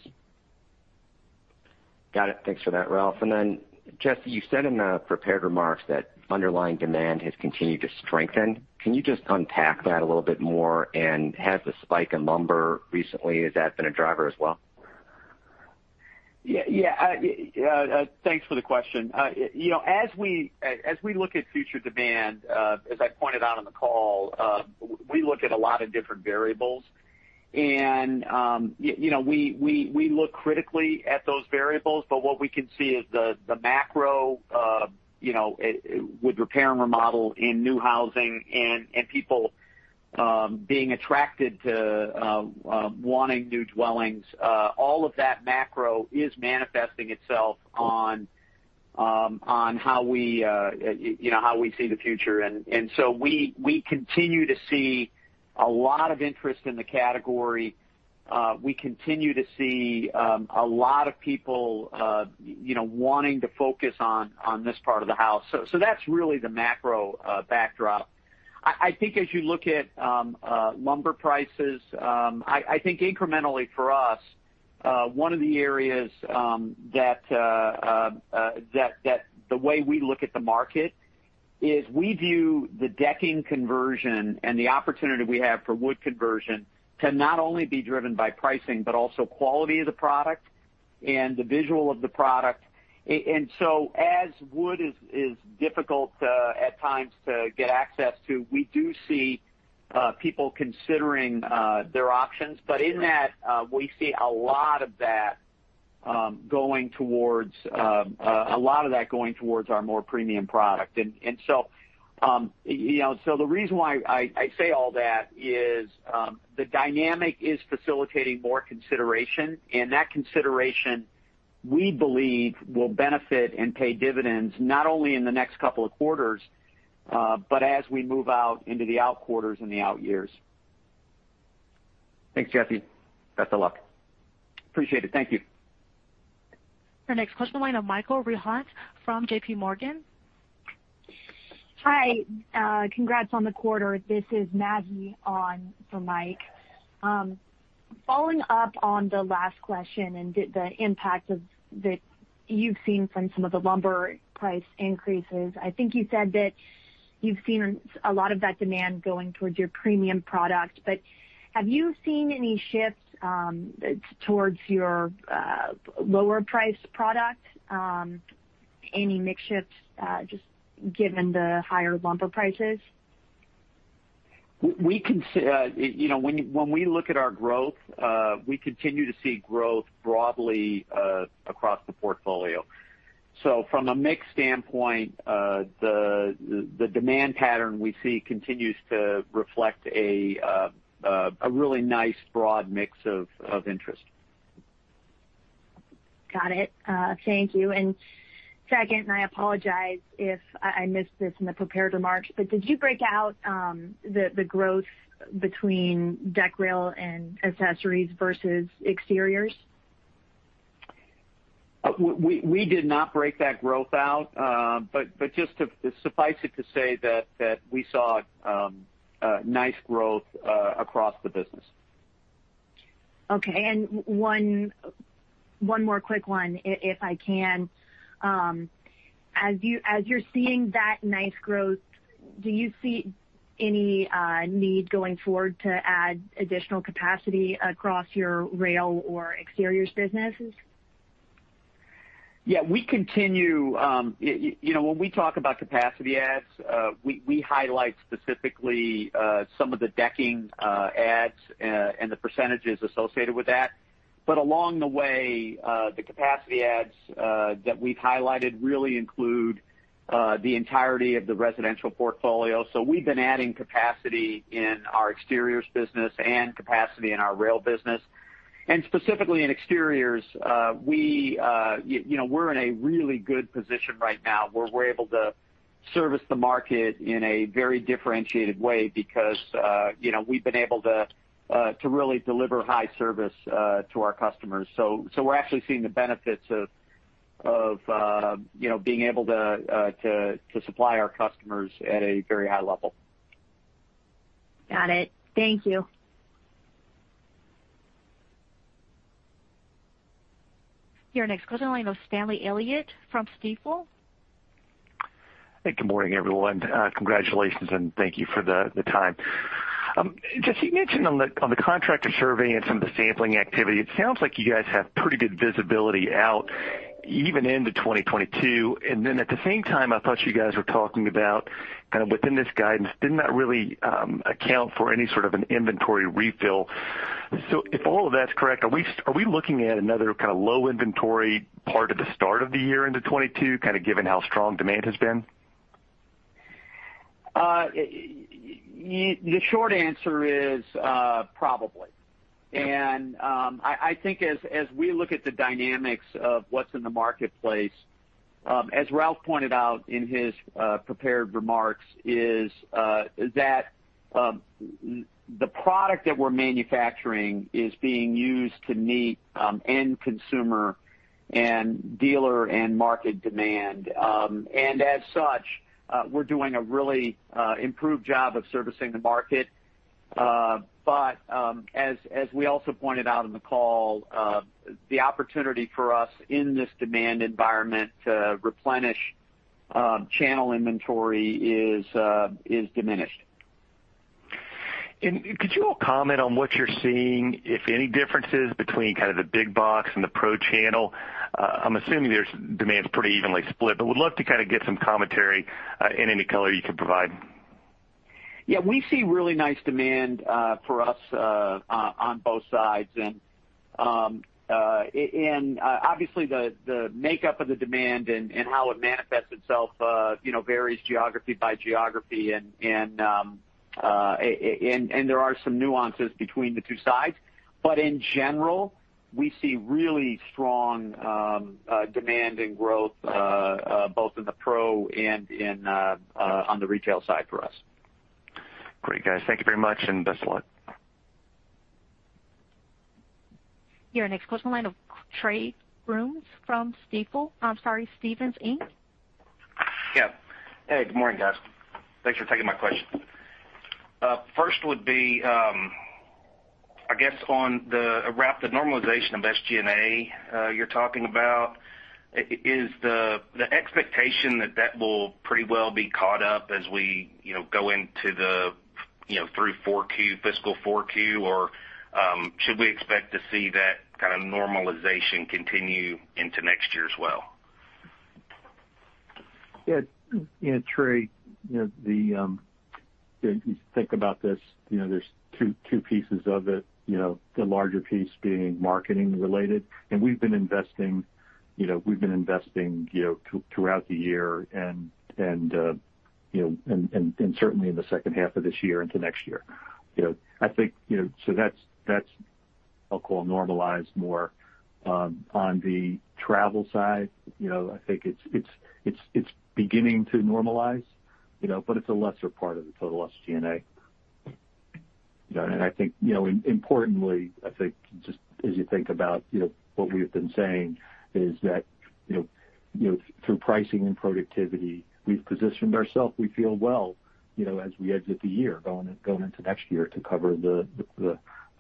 Got it. Thanks for that, Ralph. Jesse, you said in the prepared remarks that underlying demand has continued to strengthen. Can you just unpack that a little bit more? Has the spike in lumber recently, has that been a driver as well? Yeah. Thanks for the question. As we look at future demand, as I pointed out on the call, we look at a lot of different variables. We look critically at those variables, but what we can see is the macro with repair and remodel in new housing and people being attracted to wanting new dwellings. All of that macro is manifesting itself on how we see the future. We continue to see a lot of interest in the category. We continue to see a lot of people wanting to focus on this part of the house. That's really the macro backdrop. I think as you look at lumber prices, I think incrementally for us, one of the areas that the way we look at the market is we view the decking conversion and the opportunity we have for wood conversion to not only be driven by pricing, but also quality of the product and the visual of the product. As wood is difficult at times to get access to, we do see people considering their options. In that, we see a lot of that going towards our more premium product. The reason why I say all that is the dynamic is facilitating more consideration. That consideration, we believe, will benefit and pay dividends not only in the next couple of quarters, but as we move out into the out quarters and the out years. Thanks, Jesse. Best of luck. Appreciate it. Thank you. Our next question, the line of Michael Rehaut from JPMorgan. Hi. Congrats on the quarter. This is Maggie on for Mike. Following up on the last question and the impact of that you've seen from some of the lumber price increases. I think you said that you've seen a lot of that demand going towards your premium product, but have you seen any shifts towards your lower priced product? Any mix shifts just given the higher lumber prices? When we look at our growth, we continue to see growth broadly across the portfolio. From a mix standpoint, the demand pattern we see continues to reflect a really nice broad mix of interest. Got it. Thank you. Second, and I apologize if I missed this in the prepared remarks, but did you break out the growth between deck rail and accessories versus exteriors? We did not break that growth out. Just to suffice it to say that we saw nice growth across the business. Okay. One more quick one if I can. As you're seeing that nice growth, do you see any need going forward to add additional capacity across your rail or exteriors businesses? Yeah. When we talk about capacity adds, we highlight specifically some of the decking adds and the percentages associated with that. Along the way, the capacity adds that we've highlighted really include the entirety of the residential portfolio. We've been adding capacity in our exteriors business and capacity in our rail business. Specifically in exteriors, we're in a really good position right now where we're able to service the market in a very differentiated way because we've been able to really deliver high service to our customers. We're actually seeing the benefits of being able to supply our customers at a very high level. Got it. Thank you. Your next question line of Stanley Elliott from Stifel. Hey, good morning, everyone. Congratulations and thank you for the time. Jesse, you mentioned on the contractor survey and some of the sampling activity, it sounds like you guys have pretty good visibility out even into 2022. Then at the same time, I thought you guys were talking about kind of within this guidance, didn't that really account for any sort of an inventory refill? If all of that's correct, are we looking at another kind of low inventory part at the start of the year into 2022, kind of given how strong demand has been? The short answer is probably. I think as we look at the dynamics of what's in the marketplace, as Ralph pointed out in his prepared remarks, is that the product that we're manufacturing is being used to meet end consumer and dealer and market demand. As we also pointed out in the call, the opportunity for us in this demand environment to replenish channel inventory is diminished. Could you all comment on what you're seeing, if any differences between kind of the big box and the pro channel? I'm assuming demand's pretty evenly split, but would love to kind of get some commentary and any color you could provide. Yeah, we see really nice demand for us on both sides. Obviously the makeup of the demand and how it manifests itself varies geography by geography, and there are some nuances between the two sides. In general, we see really strong demand and growth both in the pro and on the retail side for us. Great, guys. Thank you very much, and best luck. Your next question, line of Trey Grooms from Stifel. I'm sorry, Stephens Inc. Hey, good morning, guys. Thanks for taking my question. First would be, I guess on the rapid normalization of SG&A you're talking about. Is the expectation that that will pretty well be caught up as we go through fiscal 4Q, or should we expect to see that kind of normalization continue into next year as well? Yeah. Trey, if you think about this, there's two pieces of it. The larger piece being marketing related, we've been investing throughout the year and certainly in the second half of this year into next year. That's, I'll call normalized more on the travel side. I think it's beginning to normalize, but it's a lesser part of the total SG&A. Importantly, I think just as you think about what we have been saying is that through pricing and productivity, we've positioned ourselves, we feel well as we exit the year going into next year to cover the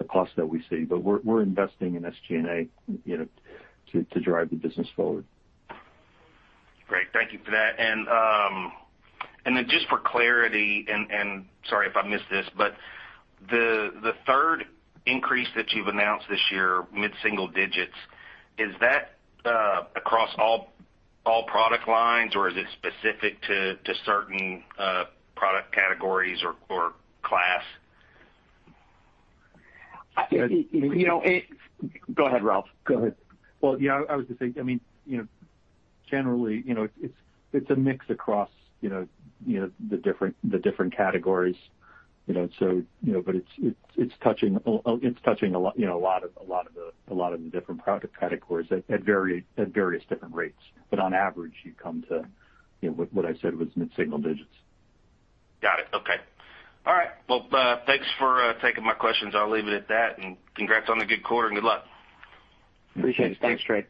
cost that we see. We're investing in SG&A to drive the business forward. Great. Thank you for that. Just for clarity, and sorry if I missed this, but the third increase that you've announced this year, mid-single digits, is that across all product lines, or is it specific to certain product categories or class? Go ahead, Ralph. Go ahead. Well, yeah, I was going to say, generally, it's a mix across the different categories. It's touching a lot of the different product categories at various different rates. On average, you come to what I said was mid-single digits. Got it. Okay. All right. Well, thanks for taking my questions. I'll leave it at that. Congrats on the good quarter, and good luck. Appreciate it. Thanks, Trey.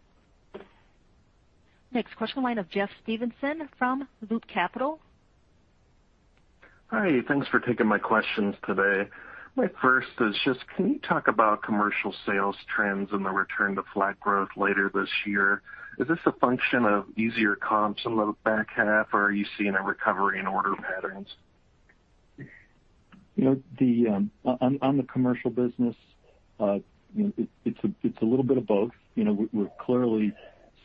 Next question, line of Jeff Stevenson from Loop Capital. Hi. Thanks for taking my questions today. My first is just can you talk about commercial sales trends and the return to flat growth later this year? Is this a function of easier comps in the back half, or are you seeing a recovery in order patterns? On the commercial business, it's a little bit of both. We're clearly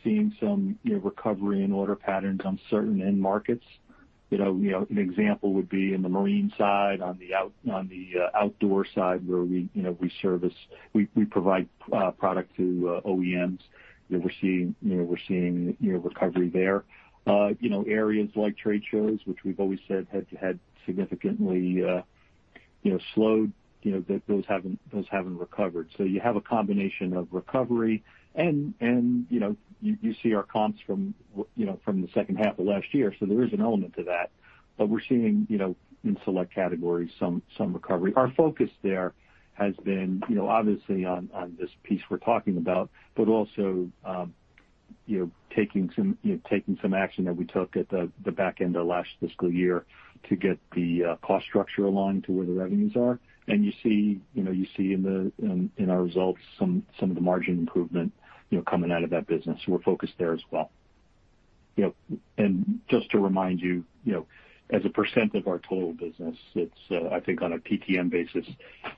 seeing some recovery in order patterns on certain end markets. An example would be in the marine side, on the outdoor side, where we provide product to OEMs. We're seeing recovery there. Areas like trade shows, which we've always said had significantly slowed, those haven't recovered. You have a combination of recovery, and you see our comps from the second half of last year. There is an element to that. We're seeing, in select categories, some recovery. Our focus there has been, obviously, on this piece we're talking about, but also taking some action that we took at the back end of last fiscal year to get the cost structure aligned to where the revenues are. You see in our results some of the margin improvement coming out of that business. We're focused there as well. Just to remind you, as a percent of our total business, it's, I think on a LTM basis,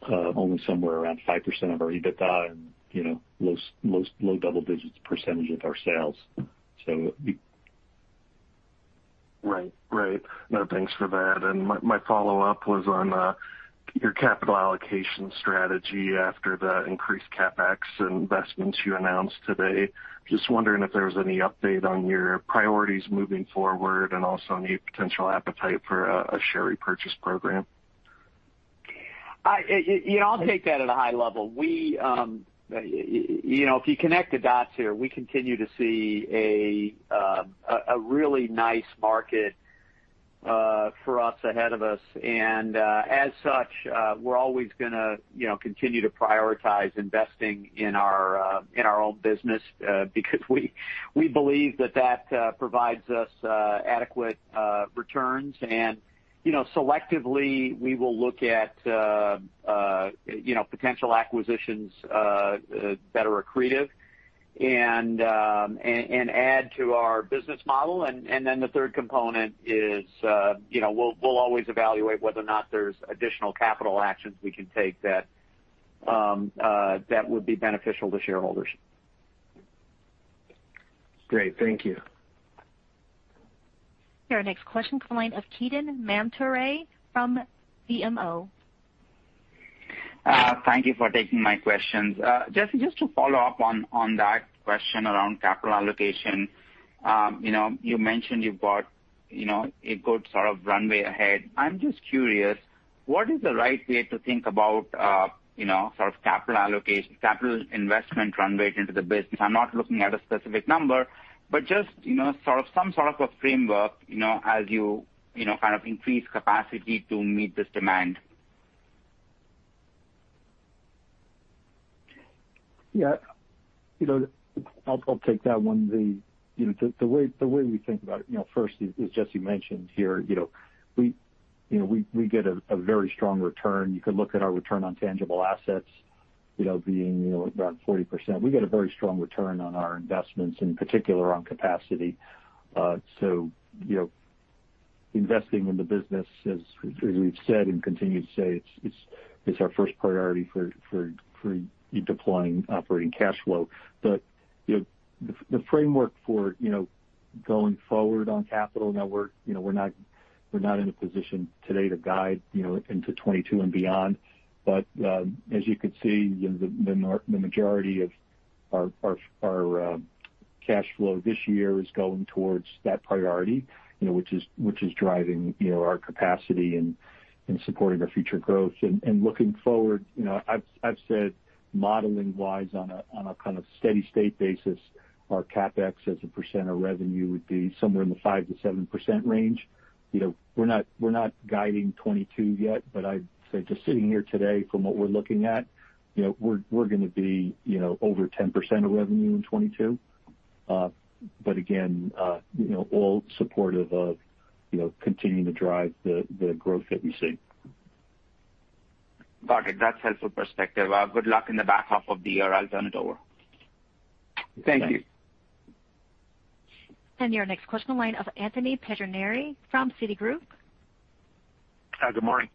only somewhere around 5% of our EBITDA and low double digits percentage of our sales. Right. No, thanks for that. My follow-up was on your capital allocation strategy after the increased CapEx investments you announced today. Just wondering if there was any update on your priorities moving forward and also any potential appetite for a share repurchase program. I'll take that at a high level. If you connect the dots here, we continue to see a really nice market for us ahead of us. As such, we're always going to continue to prioritize investing in our own business because we believe that that provides us adequate returns. Selectively, we will look at potential acquisitions that are accretive and add to our business model. The third component is we'll always evaluate whether or not there's additional capital actions we can take that would be beneficial to shareholders. Great. Thank you. Your next question comes line of Ketan Mamtora from BMO. Thank you for taking my questions. Jesse, just to follow up on that question around capital allocation. You mentioned you've got a good sort of runway ahead. I'm just curious, what is the right way to think about sort of capital allocation, capital investment runway into the business? I'm not looking at a specific number, just some sort of a framework, as you kind of increase capacity to meet this demand. I'll take that one. The way we think about it, first is, as Jesse mentioned here, we get a very strong return. You could look at our return on tangible assets being around 40%. We get a very strong return on our investments, in particular on capacity. Investing in the business, as we've said and continue to say, it's our first priority for deploying operating cash flow. The framework for going forward on capital network, we're not in a position today to guide into 2022 and beyond. As you could see, the majority of our cash flow this year is going towards that priority which is driving our capacity and supporting our future growth. Looking forward, I've said modeling-wise on a kind of steady state basis, our CapEx as a percent of revenue would be somewhere in the 5%-7% range. We're not guiding 2022 yet, but I'd say just sitting here today, from what we're looking at, we're going to be over 10% of revenue in 2022. Again all supportive of continuing to drive the growth that we see. Got it. That's helpful perspective. Good luck in the back half of the year. I'll turn it over. Thank you. Your next question, the line of Anthony Pettinari from Citigroup. Hi. Good morning.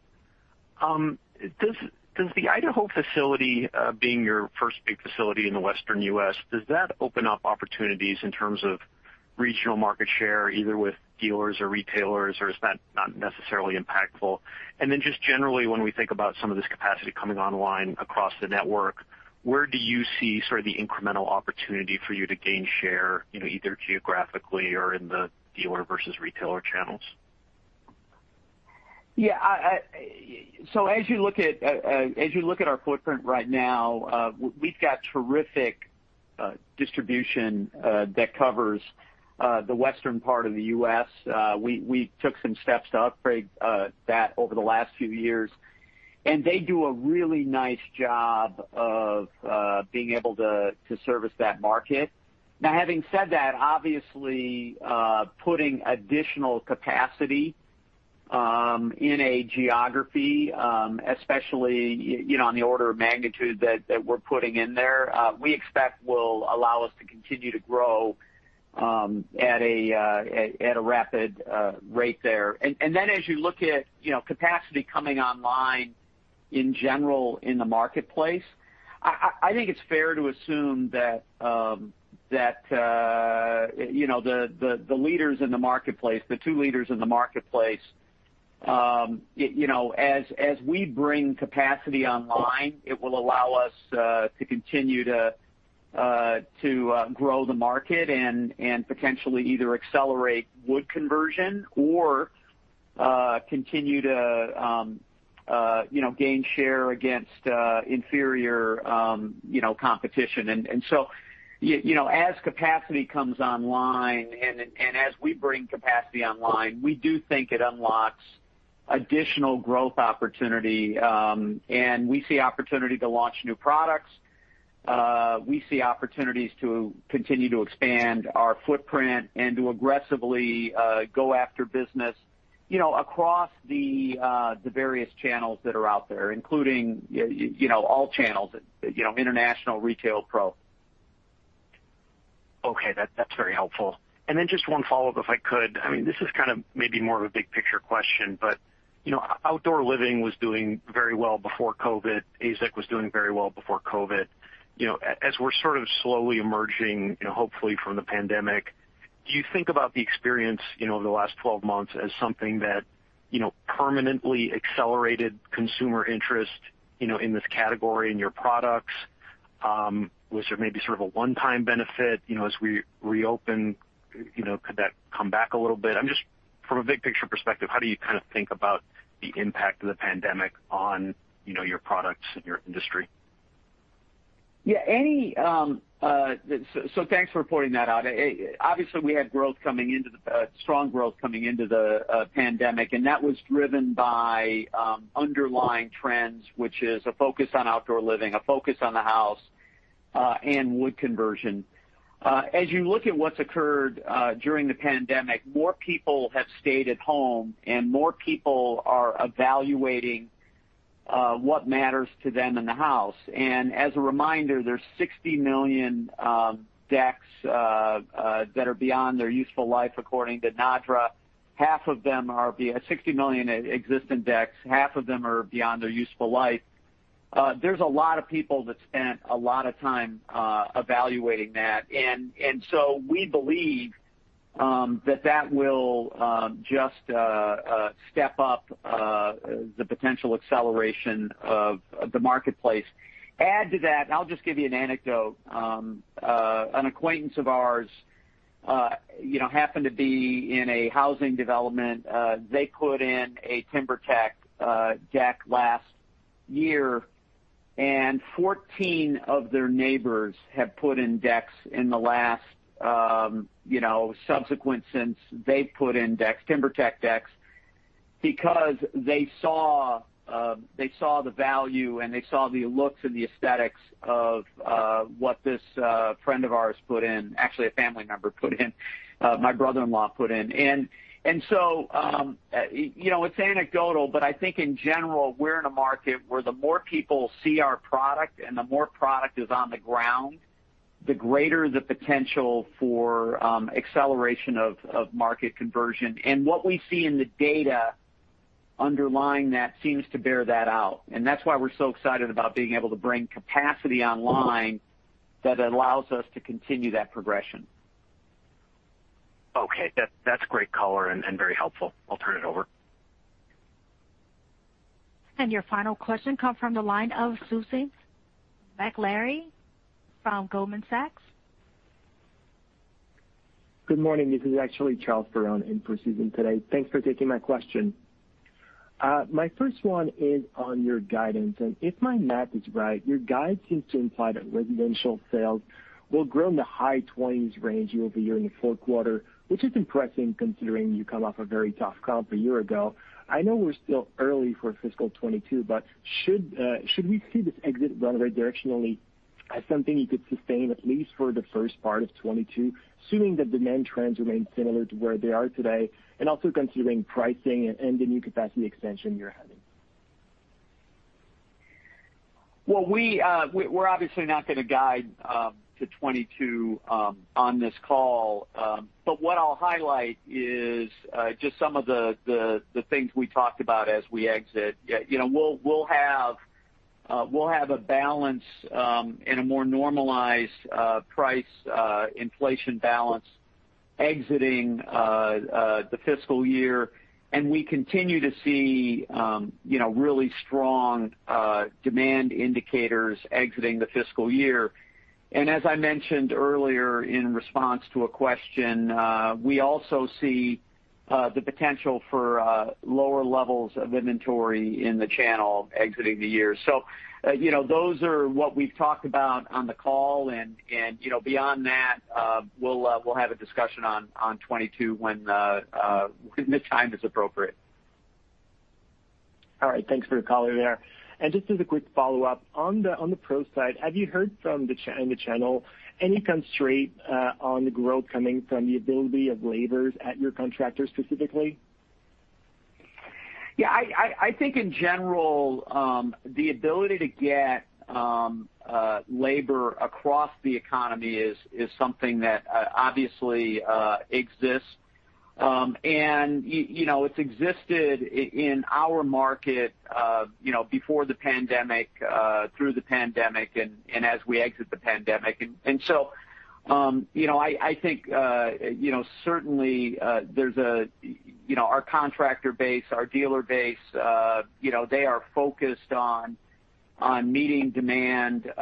Does the Idaho facility, being your first big facility in the Western U.S., does that open up opportunities in terms of regional market share, either with dealers or retailers, or is that not necessarily impactful? Just generally, when we think about some of this capacity coming online across the network, where do you see sort of the incremental opportunity for you to gain share, either geographically or in the dealer versus retailer channels? As you look at our footprint right now, we've got terrific distribution that covers the western part of the U.S. We took some steps to upgrade that over the last few years. They do a really nice job of being able to service that market. Now, having said that, obviously, putting additional capacity in a geography, especially on the order of magnitude that we're putting in there, we expect will allow us to continue to grow at a rapid rate there. As you look at capacity coming online in general in the marketplace, I think it's fair to assume that the leaders in the marketplace, the two leaders in the marketplace, as we bring capacity online, it will allow us to continue to grow the market and potentially either accelerate wood conversion or continue to gain share against inferior competition. As capacity comes online and as we bring capacity online, we do think it unlocks additional growth opportunity. We see opportunity to launch new products. We see opportunities to continue to expand our footprint and to aggressively go after business across the various channels that are out there, including all channels, international, retail, pro. Okay. That's very helpful. Just one follow-up, if I could. This is kind of maybe more of a big picture question, but Outdoor Living was doing very well before COVID. AZEK was doing very well before COVID. As we're sort of slowly emerging, hopefully from the pandemic, do you think about the experience over the last 12 months as something that permanently accelerated consumer interest in this category, in your products? Was there maybe sort of a one-time benefit as we reopen? Could that come back a little bit? From a big picture perspective, how do you kind of think about the impact of the pandemic on your products and your industry? Thanks for pointing that out. Obviously, we had strong growth coming into the pandemic, and that was driven by underlying trends, which is a focus on outdoor living, a focus on the house, and wood conversion. As you look at what's occurred during the pandemic, more people have stayed at home, and more people are evaluating what matters to them in the house. As a reminder, there's 60 million decks that are beyond their useful life, according to NADRA. 60 million existing decks, half of them are beyond their useful life. There's a lot of people that spent a lot of time evaluating that. We believe that will just step up the potential acceleration of the marketplace. Add to that, I'll just give you an anecdote. An acquaintance of ours happened to be in a housing development. They put in a TimberTech deck last year, 14 of their neighbors have put in decks in the last subsequent, since they've put in TimberTech decks because they saw the value and they saw the looks and the aesthetics of what this friend of ours put in. Actually, a family member put in. My brother-in-law put in. So, it's anecdotal, but I think in general, we're in a market where the more people see our product and the more product is on the ground, the greater the potential for acceleration of market conversion. What we see in the data underlying that seems to bear that out. That's why we're so excited about being able to bring capacity online that allows us to continue that progression. Okay. That's great color and very helpful. I'll turn it over. Your final question come from the line of Susan Maklari from Goldman Sachs. Good morning. This is actually Charles Perrone in for Susan today. Thanks for taking my question. My first one is on your guidance. If my math is right, your guide seems to imply that residential sales will grow in the high 20s range year-over-year in the fourth quarter, which is impressive considering you come off a very tough comp a year ago. I know we're still early for fiscal 2022. Should we see this exit run rate directionally as something you could sustain, at least for the first part of 2022, assuming the demand trends remain similar to where they are today, and also considering pricing and the new capacity expansion you're having? We're obviously not going to guide to 2022 on this call. What I'll highlight is just some of the things we talked about as we exit. We'll have a balance in a more normalized price inflation balance exiting the fiscal year, and we continue to see really strong demand indicators exiting the fiscal year. As I mentioned earlier in response to a question, we also see the potential for lower levels of inventory in the channel exiting the year. Those are what we've talked about on the call, and beyond that, we'll have a discussion on 2022 when the time is appropriate. All right. Thanks for the color there. Just as a quick follow-up, on the Pro side, have you heard from the channel any constraint on the growth coming from the ability of labors at your contractors specifically? Yeah. I think in general, the ability to get labor across the economy is something that obviously exists. It's existed in our market before the pandemic, through the pandemic, and as we exit the pandemic. I think certainly our contractor base, our dealer base, they are focused on meeting demand.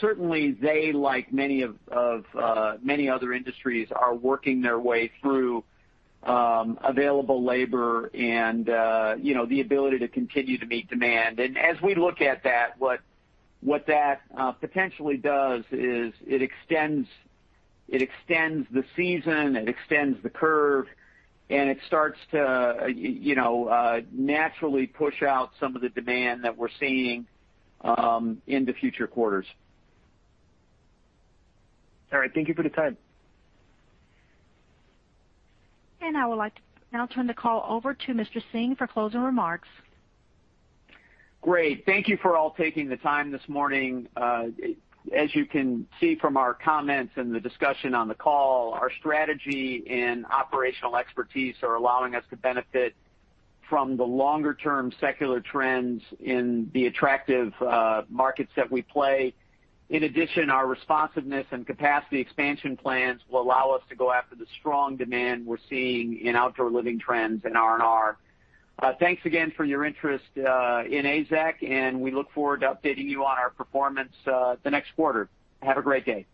Certainly they, like many other industries, are working their way through available labor and the ability to continue to meet demand. As we look at that, what that potentially does is it extends the season, it extends the curve, and it starts to naturally push out some of the demand that we're seeing into future quarters. All right. Thank you for the time. I will like to now turn the call over to Mr. Singh for closing remarks. Great. Thank you for all taking the time this morning. As you can see from our comments and the discussion on the call, our strategy and operational expertise are allowing us to benefit from the longer-term secular tr ends in the attractive markets that we play. In addition, our responsiveness and capacity expansion plans will allow us to go after the strong demand we're seeing in outdoor living trends and R&R. Thanks again for your interest in AZEK, and we look forward to updating you on our performance the next quarter. Have a great day.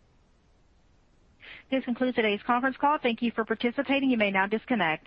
This concludes today's conference call. Thank you for participating. You may now disconnect.